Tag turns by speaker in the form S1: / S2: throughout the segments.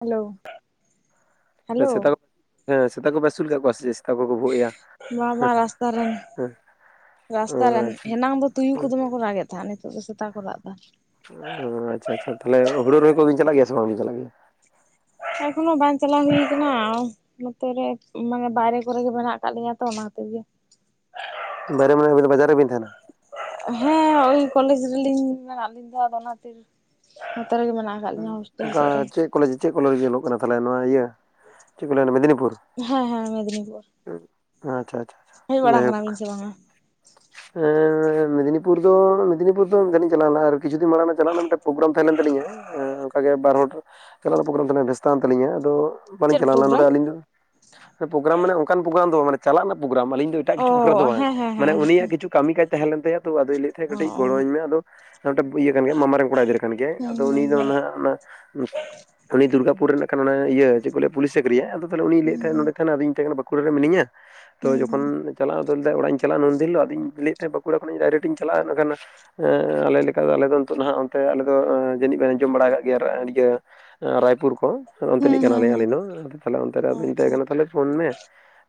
S1: Hello hello
S2: ᱥᱮᱛᱟ ᱠᱚ ᱦᱮᱸ ᱥᱮᱛᱟ ᱠᱚᱯᱮ ᱟᱹᱥᱩᱞ ᱠᱚᱣᱟ ᱥᱮ ᱪᱮᱫ ᱥᱮᱛᱟ ᱠᱚᱠᱚ ᱵᱷᱳᱜ ᱮᱭᱟ
S1: [unintelligible] ᱵᱟᱝ ᱵᱟᱝ ᱨᱟᱥᱛᱟ ᱨᱮ,
S2: ᱦᱮᱸ ᱚ
S1: ᱨᱟᱥᱛᱟ ᱨᱮᱱ
S2: ᱟᱪᱪᱷᱟ
S1: ᱦᱮᱱᱟᱝ ᱫᱚ ᱛᱩᱭᱩ ᱠᱚ ᱫᱚᱢᱮ ᱠᱚ ᱨᱟᱜᱽ ᱮᱫ ᱛᱟᱦᱮᱸᱱ, ᱱᱤᱛᱚᱜ ᱫᱚ ᱥᱮᱛᱟ ᱠᱚ ᱨᱟᱜ ᱮᱫᱟ᱾
S2: ᱩᱸᱻ ᱟᱪᱪᱷᱟ ᱟᱪᱪᱷᱟ ᱛᱟᱦᱮᱞᱮ ᱦᱩᱲᱩ ᱨᱚᱦᱚᱭ ᱠᱚᱵᱤᱱ ᱪᱟᱞᱟᱜ ᱜᱮᱭᱟ ᱥᱮ ᱵᱟᱝ ᱵᱤᱱ ᱪᱟᱞᱟᱜ ᱜᱮᱭᱟ?
S1: ᱮᱠᱷᱚᱱᱳ ᱵᱟᱝ ᱪᱟᱞᱟᱣ ᱦᱩᱭ ᱭᱟᱠᱟᱱᱟ? ᱱᱚᱛᱮ ᱨᱮ ᱵᱟᱝᱼᱟ, ᱵᱟᱦᱨᱮ ᱠᱚᱨᱮ ᱜᱮ ᱢᱮᱱᱟᱜ ᱟᱠᱟᱫ ᱞᱤᱸᱧᱟ ᱛᱚ ᱚᱱᱟ ᱠᱷᱟᱹᱛᱤᱨ ᱜᱮ᱾
S2: ᱵᱟᱭᱨᱮ ᱢᱟᱱᱮ ᱟᱹᱵᱤᱱ ᱫᱚ ᱵᱟᱡᱟᱨ ᱨᱮᱵᱤᱱ ᱛᱟᱦᱮᱸᱱᱟ?
S1: ᱦᱮᱸ ᱳᱭ ᱠᱚᱞᱮᱡᱽ ᱨᱮᱞᱤᱧ ᱢᱮᱱᱟᱜ ᱞᱤᱧᱟ, ᱟᱫᱚ ᱚᱱᱟ ᱛᱤᱨ! ᱱᱚᱛᱮ ᱨᱮᱜᱮ ᱢᱮᱱᱟᱜ ᱟᱠᱟᱫ ᱞᱤᱧᱟ, ᱦᱳᱥᱴᱮᱞ
S2: ᱚᱱᱠᱟ
S1: ᱥᱮᱫ ᱨᱮ᱾
S2: ᱪᱮᱫ ᱠᱚᱞᱮᱡᱽ ᱫᱚ ᱪᱮᱫ ᱠᱚᱞᱮᱡᱽ ᱨᱮᱵᱤᱱ ᱚᱞᱚᱜ ᱠᱟᱱᱟ ᱛᱟᱦᱚᱞᱮ, ᱱᱚᱣᱟ ᱤᱭᱟᱹ ᱪᱮᱫ ᱠᱚ ᱞᱟᱹᱭᱟ ᱢᱤᱫᱽᱱᱤᱯᱩᱨ?
S1: ᱦᱮᱸ ᱦᱮᱸ ᱢᱮᱫᱽᱱᱤᱯᱩᱨ
S2: ᱦᱩᱸ! ᱟᱪᱪᱷᱟ ᱟᱪᱪᱷᱟ᱾
S1: ᱦᱮᱡ
S2: ᱟᱪᱪᱷᱟ
S1: ᱵᱟᱲᱟ ᱠᱟᱱᱟ ᱵᱤᱱ ᱪᱮ ᱵᱟᱝ ᱟ?
S2: ᱮᱸᱻ ᱢᱮᱫᱽᱱᱤᱯᱩᱨ ᱫᱚ ᱢᱤᱫᱽᱱᱤᱯᱩᱨ ᱫᱚ ᱢᱤᱫ ᱫᱷᱟᱹᱣ ᱞᱤᱧ ᱪᱟᱞᱟᱣ ᱞᱮᱱᱟ ᱟᱨ ᱠᱤᱪᱷᱩ ᱫᱤᱱ ᱢᱟᱲᱟᱝ ᱢᱟ ᱪᱟᱞᱟᱜ ᱨᱮᱱᱟᱜ ᱢᱤᱫ ᱴᱟᱝ ᱯᱚᱜᱟᱨᱟᱢ ᱛᱟᱦᱮᱸ ᱞᱮᱱ ᱛᱟᱹᱞᱤᱧᱟ? ᱦᱮᱸ ᱚᱸᱠᱟ ᱜᱮ ᱵᱟᱨ ᱦᱚᱰᱨ ᱪᱟᱞᱟᱜ ᱨᱮᱱᱟᱜ ᱯᱚᱨᱳᱜᱮᱨᱟᱢ ᱛᱟᱦᱮᱸᱱᱟ ᱵᱷᱮᱥᱛᱟᱱ ᱛᱟᱹᱞᱤᱧᱟ ᱟᱫᱚ ᱵᱟᱹᱞᱤᱧ
S1: ᱪᱮᱫ
S2: ᱪᱟᱞᱟᱣ ᱞᱮᱱᱟ ᱱᱚᱰᱮ
S1: ᱯᱨᱳᱜᱨᱟᱢ
S2: ᱟᱹᱞᱤᱧ ᱫᱚ, ᱟᱫᱚ ᱯᱚᱜᱮᱨᱟᱢ ᱢᱟᱱᱮ ᱚᱸᱠᱟᱱ ᱯᱚᱜᱮᱲᱟᱢ ᱫᱚ ᱵᱟᱝ ᱢᱟᱱᱮ ᱪᱟᱞᱟᱜ ᱨᱮᱱᱟᱜ ᱯᱚᱜᱮᱨᱟᱢ ᱟᱹᱞᱤᱧ ᱫᱚ, ᱮᱴᱟᱜ
S1: ᱚ
S2: ᱠᱤᱪᱷᱩ ᱯᱨᱳᱜᱨᱟᱢ ᱫᱚ ᱵᱟᱝ
S1: ᱦᱮᱸ ᱦᱮᱸ ᱦᱮᱸᱜ,
S2: ᱢᱟᱱᱮ ᱩᱱᱤᱭᱟᱜ ᱠᱤᱪᱷᱩ ᱠᱟᱹᱢᱤ ᱠᱟᱡ ᱛᱟᱦᱮᱸ ᱞᱮᱱ ᱛᱟᱭᱟ ᱛᱚ ᱟᱫᱚᱭ ᱞᱟᱹᱭᱮᱫ ᱛᱟᱦᱮᱸᱜ
S1: ᱚ
S2: ᱠᱟᱹᱴᱤᱡ
S1: ᱚ
S2: ᱜᱚᱲᱚᱣᱟᱹᱧ ᱢᱮ ᱟᱫᱚ ᱱᱚᱰᱮᱵ ᱤᱭᱟᱹᱠᱟᱱ ᱜᱮᱭᱟᱭ ᱢᱟᱢᱟᱨᱮᱱ ᱠᱚᱲᱟ ᱜᱤᱫᱽᱨᱟᱹ ᱠᱟᱱ ᱜᱮᱭᱟᱭ
S1: ᱦᱩᱸ
S2: ᱟᱫᱚ
S1: ᱦᱩᱸ
S2: ᱩᱱᱤ ᱫᱚ
S1: ᱦᱩᱸ
S2: ᱱᱟᱦᱟᱜ ᱚᱱᱟ ᱩᱱᱤ ᱫᱩᱨᱜᱟᱯᱩᱨ ᱨᱮ ᱨᱮᱱᱟᱜ ᱠᱷᱟᱱ ᱚᱱᱟ ᱤᱭᱟᱹ ᱪᱮᱫ ᱠᱚ ᱞᱟᱹᱭᱟ ᱯᱩᱞᱤᱥ ᱪᱟᱹᱠᱨᱤᱭᱟᱭ ᱟᱫᱚ ᱛᱟᱦᱚᱞᱮ ᱩᱱᱤ ᱞᱟᱹᱭᱮᱫ ᱛᱟᱦᱮᱸᱫ ᱱᱚᱰᱮ ᱛᱟᱦᱮᱸᱱᱟᱭ ᱟᱫᱩᱧ ᱢᱮᱛᱟᱭ ᱠᱟᱱᱟ ᱵᱟᱸᱠᱩᱲᱟ ᱨᱮ ᱢᱤᱱᱟᱹᱧᱟ᱾
S1: ᱦᱩᱸ
S2: ᱛᱚ
S1: ᱦᱩᱸ
S2: ᱡᱚᱠᱷᱚᱱ
S1: ᱦᱩᱸ
S2: ᱪᱟᱞᱟᱜ ᱟᱫᱚᱭ ᱞᱟᱹᱭ ᱮᱫᱟ ᱚᱲᱟᱜ ᱤᱧ ᱪᱟᱞᱟᱜᱼᱟ, ᱱᱩᱱᱫᱤᱱ ᱦᱤᱞᱳᱜ ᱟᱫᱩᱧ ᱞᱟᱹᱭᱮᱫ ᱛᱟᱦᱮᱸᱫ ᱵᱟᱸᱠᱩᱲᱟ ᱠᱷᱚᱱᱤᱧ ᱰᱟᱭᱨᱮᱠᱴ ᱤᱧ ᱪᱟᱞᱟᱜᱼᱟ ᱤᱱᱟᱹᱠᱷᱟᱱ ᱮᱸ ᱟᱞᱮ ᱞᱮᱠᱟ ᱫᱚ ᱟᱞᱮ ᱫᱚ ᱱᱤᱛᱚᱜ ᱱᱟᱦᱟᱜ ᱚᱱᱛᱮ ᱟᱞᱮ ᱫᱚ ᱡᱟᱹᱱᱤᱡ ᱵᱤᱱ ᱟᱸᱡᱚᱢ ᱵᱟᱲᱟ ᱟᱠᱟᱜ ᱜᱮᱭᱟ ᱟᱨ ᱟᱺᱰᱤᱭᱟᱹ ᱨᱟᱭᱯᱩᱨ ᱠᱚ, ᱱᱚᱜ
S1: ᱦᱩᱸ
S2: ᱱᱚᱛᱮᱱᱤᱡ
S1: ᱦᱩᱸ ᱦᱩᱸ
S2: ᱠᱟᱱᱟᱞᱮ
S1: ᱦᱩᱸ
S2: ᱟᱞᱮ ᱫᱚ ᱟᱫᱚ ᱪᱟᱞᱟᱶ
S1: ᱚ
S2: ᱚᱸᱛᱚᱨᱟ ᱫᱚ ᱢᱮᱛᱟᱭ
S1: ᱟᱪᱪᱷᱟ
S2: ᱠᱟᱱᱟ, ᱛᱟᱦᱚᱞᱮ ᱯᱷᱳᱱ ᱢᱮ,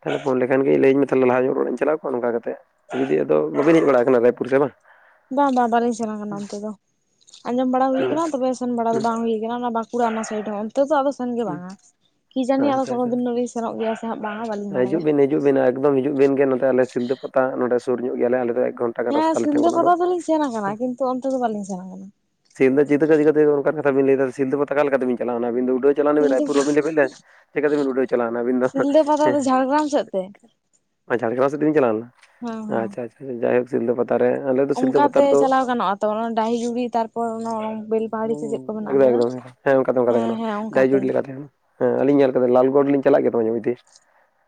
S2: ᱛᱟᱦᱚᱞᱮ ᱯᱷᱳᱱ ᱞᱮᱠ- ᱧᱮᱞ ᱜᱮ ᱤ ᱞᱟᱹᱭ ᱟᱹᱧ ᱢᱮ ᱛᱷᱟᱦᱚᱞᱮ ᱞᱟᱦᱟ ᱧᱚᱜ ᱨᱚ ᱨᱮ ᱪᱟᱞᱟᱣ ᱠᱚᱜᱼᱟ ᱱᱚᱸᱠᱟ ᱠᱟᱛᱮᱜ, ᱱᱤᱡᱟᱹ ᱟᱫᱚ ᱵᱟᱹᱵᱤᱱ ᱦᱮᱡ ᱵᱟᱲᱟ ᱠᱟᱱᱟ ᱨᱟᱭᱯᱩᱨ ᱥᱮ ᱵᱟᱝ?
S1: ᱵᱟᱝ ᱵᱟᱝ ᱵᱟᱹᱞᱤᱧ ᱥᱮᱱ ᱟᱠᱟᱱᱟ ᱚᱱᱛᱮ ᱫᱚ, ᱟᱸᱡᱚᱢ ᱵᱟᱲᱟ ᱦᱩᱭ ᱭᱟᱠᱟᱱᱟ ᱛᱚᱵᱮ ᱥᱮᱱ ᱵᱟᱲᱟ ᱫᱚ ᱵᱟᱝ ᱦᱩᱭ ᱟᱠᱟᱱᱟ, ᱚᱱᱟ ᱵᱟᱸᱥ- ᱪᱮ ᱚᱱᱟ ᱥᱟᱹᱭᱤᱰ ᱦᱚᱞ ᱛᱚ ᱫᱚ ᱟᱫᱚ ᱥᱮᱱ ᱜᱮ ᱵᱟᱝ ᱟ, ᱠᱤ ᱡᱟᱹᱱᱤ ᱟᱫᱚ
S2: ᱟᱪᱪᱷᱟ
S1: ᱠᱳᱱᱳ ᱫᱤᱱ
S2: ᱟᱪᱪᱷᱟ
S1: ᱫᱚᱸᱞᱤᱧ ᱥᱮᱱᱚᱜ ᱜᱮᱭᱟ ᱥᱮ ᱵᱟᱝ ᱟ, ᱵᱟᱹᱞᱤᱧ
S2: ᱦᱤᱡᱩᱜ
S1: ᱵᱟᱰᱟᱭᱟ?
S2: ᱵᱤᱱ ᱦᱤᱡᱩᱜ ᱵᱤᱱ ᱮᱠᱫᱚᱢ ᱦᱤᱡᱩᱜ ᱵᱤᱱ ᱜᱮ ᱱᱚᱛᱮ ᱟᱞᱮ ᱥᱤᱞᱫᱟᱹ ᱯᱟᱛᱟ, ᱱᱚᱰᱮ ᱥᱩᱨ ᱧᱚᱜ ᱜᱮᱭᱟ ᱞᱮ ᱟᱞᱮ ᱫᱚ ᱮᱠ ᱜᱷᱚᱱ-
S1: ᱦᱮᱸ ᱥᱤᱞᱫᱟᱹ ᱯᱟᱛᱟ ᱫᱚᱞᱤᱧ ᱥᱮᱱ ᱟᱠᱟᱱᱟ, ᱠᱤᱱᱛᱩ ᱚᱱᱛᱮ ᱫᱚ ᱵᱟᱹᱞᱤᱧ ᱥᱮᱱ ᱟᱠᱟᱱᱟ᱾
S2: ᱥᱤᱞᱫᱟᱹ ᱪᱤᱛᱟᱹ ᱠᱤᱛᱟᱹ ᱠᱟᱛᱮ ᱚᱱᱠᱟᱱ ᱠᱟᱛᱷᱟ ᱵᱤᱱ ᱞᱟᱹᱭ ᱮᱫᱟ, ᱥᱤᱞᱫᱟᱹ ᱯᱟᱛᱟ ᱟᱠᱟ ᱞᱮᱠᱟ ᱛᱮᱵᱤᱱ ᱪᱟᱞᱟᱣ ᱮᱱᱟ, ᱩᱰᱟᱹᱡ- ᱪᱟᱞᱟᱣᱮᱱᱟ ᱵᱤᱱ
S1: ᱥᱤᱞᱫᱟᱹ
S2: ᱨᱟᱭᱯᱩᱨ ᱵᱟᱹᱵᱤᱱ ᱞᱮᱵᱮᱫ ᱞᱮᱫᱼᱟ, ᱪᱮᱠᱟ ᱛᱮ ᱵᱤᱱ ᱩᱰᱟᱹᱣ ᱪᱟᱞᱟᱣᱮᱱᱟ ᱟᱹᱵᱤᱱ ᱫᱚ?
S1: ᱥᱤᱞᱫᱟᱹ ᱯᱟᱛᱟ ᱫᱚ
S2: ᱦᱮᱸᱦᱮᱸ!
S1: ᱡᱷᱟᱲᱜᱨᱟᱢ ᱥᱮᱫ ᱛᱮ
S2: [unintelligible] ᱚᱱᱟ ᱡᱷᱟᱲᱜᱮᱨᱟᱢ ᱥᱮᱫ ᱛᱮᱵᱤᱱ ᱪᱟᱞᱟᱣ ᱞᱮᱱᱟ,
S1: ᱦᱮᱸ ᱦᱮᱸ
S2: ᱟᱪᱪᱷᱟ ᱟᱪᱪᱷᱟ ᱡᱟᱭᱦᱩᱠ ᱥᱤᱞᱫᱟᱹ ᱯᱟᱛᱟ ᱨᱮ ᱞᱟᱹᱰ-
S1: ᱚᱱᱠᱟᱛᱮ ᱪᱟᱞᱟᱣ ᱜᱟᱱᱚᱜᱼᱟ ᱛᱚ ᱚᱱᱟ ᱰᱟᱹᱦᱤ ᱡᱩᱜᱤ ᱛᱟᱨᱯᱚᱨ ᱚᱱᱟ ᱚᱱᱟ ᱵᱮᱞᱯᱟᱦᱟᱲᱤ ᱥᱮ ᱪᱮᱫ ᱠᱚ
S2: ᱦᱩᱸ
S1: ᱢᱮᱱᱟᱜ
S2: ᱮᱠᱫᱚᱢ
S1: ᱟᱠᱟᱫᱟ?
S2: ᱮᱠᱫᱚᱢ ᱦᱮᱸ ᱚᱱᱠᱟᱛᱮ ᱚᱱᱠᱟᱛᱮ
S1: ᱦᱮᱸ
S2: ᱜᱟᱱᱚᱜᱼᱟ,
S1: ᱦᱮᱸ
S2: ᱰᱟᱹᱦᱤ
S1: ᱚᱱᱠᱟᱛᱮ
S2: ᱡᱩᱲᱤ ᱞᱮᱠᱟ ᱛᱮᱦᱚᱸ ᱦᱮᱸ ᱟᱹᱞᱤᱧ ᱧᱮᱞ ᱟᱠᱟᱫᱟ ᱞᱟᱞᱜᱚᱲ ᱞᱤᱧ ᱪᱟᱞᱟᱜ ᱜᱮᱭᱟ ᱛᱚ ᱡᱚᱢᱮ ᱫᱤᱥ᱾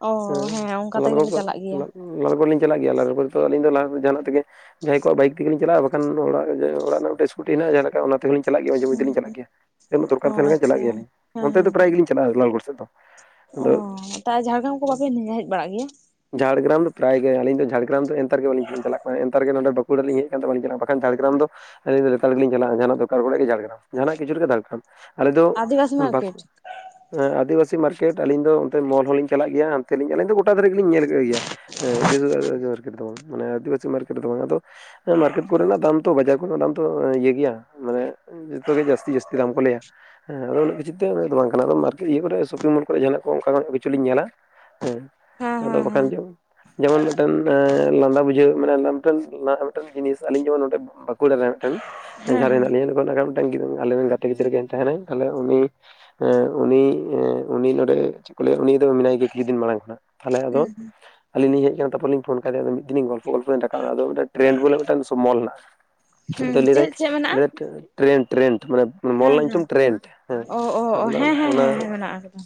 S1: ᱚ
S2: ᱦᱩᱸ,
S1: ᱦᱮᱸ ᱚᱱᱠᱟ
S2: ᱞᱟᱞᱜᱚᱲ
S1: ᱛᱮᱜᱮᱞᱮ
S2: ᱠᱚᱦᱚᱸ,
S1: ᱪᱟᱞᱟᱜ ᱜᱮᱭᱟ
S2: ᱞᱟᱞᱻ ᱞᱟᱞᱜᱚᱲ ᱞᱤᱧ ᱪᱟᱞᱟᱜ ᱜᱮᱭᱟ, ᱞᱟᱞᱜᱚᱲ ᱫᱚ ᱟᱹᱞᱤᱧ ᱫᱚ ᱞᱟᱦᱟ ᱫᱚ ᱡᱟᱦᱟᱸᱱᱟᱜ ᱛᱮᱜᱮ ᱡᱟᱦᱟᱸᱭ ᱠᱚᱣᱟᱜ ᱵᱟᱹᱭᱤᱠ ᱛᱮᱜᱮ ᱞᱤᱧ ᱪᱟᱞᱟᱜᱼᱟ, ᱵᱟᱠᱷᱟᱱ ᱫᱚ ᱚᱱᱟ ᱡᱟᱭᱦᱩ ᱚᱲᱟᱜ ᱨᱮᱱᱟᱜ ᱢᱤᱫᱴᱮᱡ ᱤᱥᱠᱩᱴᱤ ᱦᱮᱱᱟᱜᱼᱟ, ᱡᱟᱦᱟᱸ ᱞᱮᱠᱟ ᱚᱱᱟ ᱛᱮᱜᱮ ᱞᱤᱧ ᱪᱟᱞᱟᱜ ᱜᱮᱭᱟ ᱡᱮᱢᱚᱱ
S1: ᱦᱮᱸ
S2: ᱛᱮᱞᱤᱧ ᱪᱟᱞᱟᱜ
S1: ᱦᱮᱸ
S2: ᱜᱮᱭᱟ, ᱡᱮ ᱦᱤᱞᱚᱜ
S1: ᱚ
S2: ᱫᱚᱨᱠᱟᱨ ᱛᱟᱦᱮᱸᱱ ᱠᱷᱟᱱ ᱪᱟᱞᱟᱜ
S1: ᱟᱪᱪᱷᱟ
S2: ᱜᱮᱭᱟᱞᱤᱧ᱾
S1: ᱦᱮᱸ
S2: ᱚᱱᱛᱮ ᱫᱚ ᱯᱨᱟᱭ
S1: ᱦᱮᱸ
S2: ᱜᱮᱞᱤᱧ ᱪᱟᱞᱟᱜ ᱮᱠᱞᱟᱲ ᱜᱚᱲ ᱥᱮᱫ ᱫᱚ,
S1: ᱚ
S2: ᱟᱫᱚ
S1: ᱛᱟ ᱡᱷᱟᱲᱜᱨᱟᱢ ᱠᱚ ᱵᱟᱯᱮ ᱦᱮᱡ ᱵᱟᱲᱟᱜ ᱜᱮᱭᱟ
S2: ᱡᱷᱟᱲᱜᱮᱨᱟᱢ ᱫᱚ ᱯᱟᱨᱟᱭ ᱜᱮ, ᱟᱹᱞᱤᱧ ᱫᱚ ᱡᱷᱟᱲᱜᱮᱨᱟᱢ ᱫᱚ ᱮᱸᱛᱟᱨ ᱜᱮ ᱵᱟᱹᱞᱤᱧ ᱪᱟᱞᱟᱜ ᱠᱟᱱᱟ, ᱮᱸᱛᱟᱨ ᱜᱮ ᱱᱚᱰᱮ ᱵᱟᱹᱠᱩᱸᱲᱟ ᱞᱤᱧ ᱦᱮᱡ ᱟᱠᱟᱱ ᱛᱮ ᱵᱟᱹᱞᱤᱧ ᱪᱟᱞᱟᱜᱼᱟ, ᱵᱟᱠᱷᱟᱱ ᱡᱷᱟᱲᱜᱮᱨᱟᱢ ᱫᱚ ᱟᱹᱞᱤᱧ ᱫᱚ ᱞᱮᱛᱟᱲ ᱜᱮᱞᱤᱧ ᱪᱟᱞᱟᱜᱼᱟ ᱡᱟᱦᱟᱸᱱᱟᱜ ᱫᱚᱨᱠᱟᱨ ᱯᱟᱲᱟᱜᱼᱟ ᱡᱷᱟᱲᱜᱮᱨᱟᱢ, ᱡᱟᱦᱟᱸᱱᱟᱜ ᱜᱮ ᱡᱩᱨ ᱜᱮ ᱫᱟᱹᱲ ᱠᱷᱟᱱ? ᱟᱞᱮ ᱫᱚᱜ
S1: ᱟᱹᱫᱤᱵᱟᱹᱥᱤ ᱢᱟᱨᱠᱮᱴ
S2: ᱵᱟᱹᱠᱩ ᱦᱮᱸ ᱟᱹᱫᱤᱵᱟᱹᱥᱤ ᱢᱟᱨᱠᱮᱴ ᱟᱹᱞᱤᱧ ᱫᱚ ᱚᱱᱛᱮ ᱢᱚᱞ ᱦᱚᱸᱞᱤᱧ ᱪᱟᱞᱟᱜ ᱜᱮᱭᱟ, ᱦᱟᱱᱛᱮ ᱞᱤᱧ, ᱟᱹᱞᱤᱧ ᱫᱚ ᱜᱚᱴᱟ ᱫᱷᱟᱨᱟ ᱜᱮᱞᱤᱧ ᱧᱮᱞ ᱠᱮᱜ ᱜᱮᱭᱟ᱾ ᱦᱮᱸ, ᱡᱟᱹᱭᱥᱮ ᱡᱟᱨᱠᱮᱴ ᱫᱚ ᱵᱟᱝᱼᱟ, ᱟᱹᱫᱤᱵᱟᱹᱥᱤ ᱢᱟᱨᱠᱮᱴ ᱫᱚ ᱵᱟᱝ ᱟ? ᱟᱫᱚ ᱦᱮᱸ ᱢᱟᱨᱠᱮᱴ ᱠᱚᱨᱮᱱᱟᱜ ᱫᱟᱢ ᱛᱚ ᱵᱟᱡᱟᱣ ᱠᱚᱫᱚ ᱚᱱᱟ ᱫᱚ ᱤᱭᱟᱹ ᱜᱮᱭᱟ, ᱢᱟᱱᱮ ᱡᱚᱛᱚ ᱜᱮ ᱡᱟᱹᱥᱛᱤ ᱡᱟᱥᱛᱤ ᱫᱟᱢ ᱠᱚ ᱞᱟᱹᱭᱟ, ᱦᱮᱸ ᱟᱫᱚ ᱩᱱᱟᱹᱜ ᱜᱷᱤᱪ ᱡᱮᱛᱮ ᱦᱚᱲᱟᱜ ᱫᱚ ᱵᱟᱝ ᱠᱟᱱᱟ, ᱚᱱᱟ ᱫᱚ ᱢᱟᱨᱠ ᱤᱭᱟᱹ ᱠᱚᱨᱮ ᱥᱚᱯᱤᱝ ᱢᱚᱞ ᱠᱚᱨᱮ ᱡᱟᱦᱟᱸᱱᱟᱜ ᱠᱚ ᱚᱱᱠᱟᱱᱟᱜ ᱠᱚᱪᱚ ᱞᱤᱧ ᱧᱮᱞᱟ ᱦᱮᱸ?
S1: ᱦᱮᱸ
S2: ᱦᱟᱫᱚ
S1: ᱦᱮᱸ
S2: ᱵᱟᱠᱷᱟᱱ ᱡᱚᱢ ᱡᱮᱢᱚᱱ ᱢᱤᱫᱴᱮᱱ ᱞᱟᱸᱫᱟ ᱵᱩᱡᱷᱟᱹᱣ ᱢᱟᱱᱮ ᱞᱟᱸᱫᱟ ᱢᱤᱫᱴᱮᱱ ᱡᱤᱱᱤᱥ ᱟᱞᱤᱧ ᱡᱮᱢᱚᱱ ᱱᱚᱸᱰᱮ ᱵᱟᱸᱠᱩᱲᱟ ᱨᱮ ᱢᱤᱫᱴᱮᱱ
S1: ᱦᱮᱸ ᱦᱮᱸ
S2: ᱡᱟᱦᱟᱸ ᱨᱮ
S1: ᱦᱮᱸ
S2: ᱦᱮᱱᱟᱜ ᱞᱤᱧᱟ ᱱᱤᱛᱚ ᱱᱦᱟᱜ ᱠᱷᱟᱱ ᱢᱤᱫᱴᱮᱱ ᱜᱤᱫᱽᱨᱟᱹ ᱟᱞᱮ ᱨᱮᱱ ᱜᱟᱛᱮ ᱜᱤᱫᱽᱨᱟᱹ ᱜᱮ ᱛᱟᱦᱮᱱᱟᱭ ᱛᱟᱦᱞᱮ ᱩᱱᱤ ᱮᱸ ᱩᱱᱤ ᱮᱸ ᱩᱱᱤ ᱱᱚᱸᱰᱮ ᱪᱮᱫ ᱠᱚ ᱞᱟᱹᱭᱟ ᱩᱱᱤ ᱫᱚ ᱢᱮᱱᱟᱭ ᱜᱮᱭᱟ ᱠᱤᱪᱷᱩ ᱫᱤᱱ ᱢᱟᱲᱟᱝ ᱠᱷᱚᱱᱟᱜ᱾ ᱛᱟᱦᱚᱞᱮ ᱟᱫᱚ
S1: ᱦᱩᱸ
S2: ᱟᱹᱞᱤᱧ ᱞᱤᱧ ᱦᱮᱡ ᱠᱟᱱᱟ ᱛᱯᱚᱨ ᱞᱤᱧ ᱯᱷᱳᱱ ᱠᱟᱫᱮᱭᱟ ᱟᱫᱚ ᱢᱤᱫ ᱫᱤᱱ ᱜᱚᱞᱯᱚ ᱜᱚᱞᱯᱚ ᱨᱟᱠᱟᱵ ᱮᱱᱟ ᱟᱫᱚ ᱢᱤᱫ ᱴᱨᱮᱱᱰ ᱵᱚᱞᱮ ᱢᱤᱫᱴᱮᱱ ᱥᱚᱢᱵᱚᱞ ᱦᱮᱱᱟᱜᱼᱟ᱾
S1: ᱦᱩᱸ
S2: ᱟᱫᱚᱭ
S1: ᱪᱮᱫ
S2: ᱞᱟᱹᱭᱫᱟᱭ
S1: ᱪᱮᱫ ᱢᱮᱱᱟᱜᱼᱟ
S2: ᱞᱟᱹᱭᱫᱟᱭ ᱴᱨᱮᱱᱰ ᱴᱨᱮᱱᱰ ᱢᱟᱱᱮ ᱢᱳᱞ
S1: ᱦᱮᱸ
S2: ᱨᱮᱱᱟᱜ
S1: ᱦᱮᱸ
S2: ᱧᱩᱛᱩᱢ ᱴᱨᱮᱱᱰ ᱦᱮᱸ,
S1: ᱚ ᱚ ᱚ
S2: ᱟᱫᱚ ᱞᱟᱹᱭ
S1: ᱦᱮᱸ
S2: ᱫᱟᱭ
S1: ᱦᱮᱸ
S2: ᱚᱱᱟ
S1: ᱦᱮᱸ ᱦᱮᱸ ᱢᱮᱱᱟᱜ ᱟᱠᱟᱫᱟ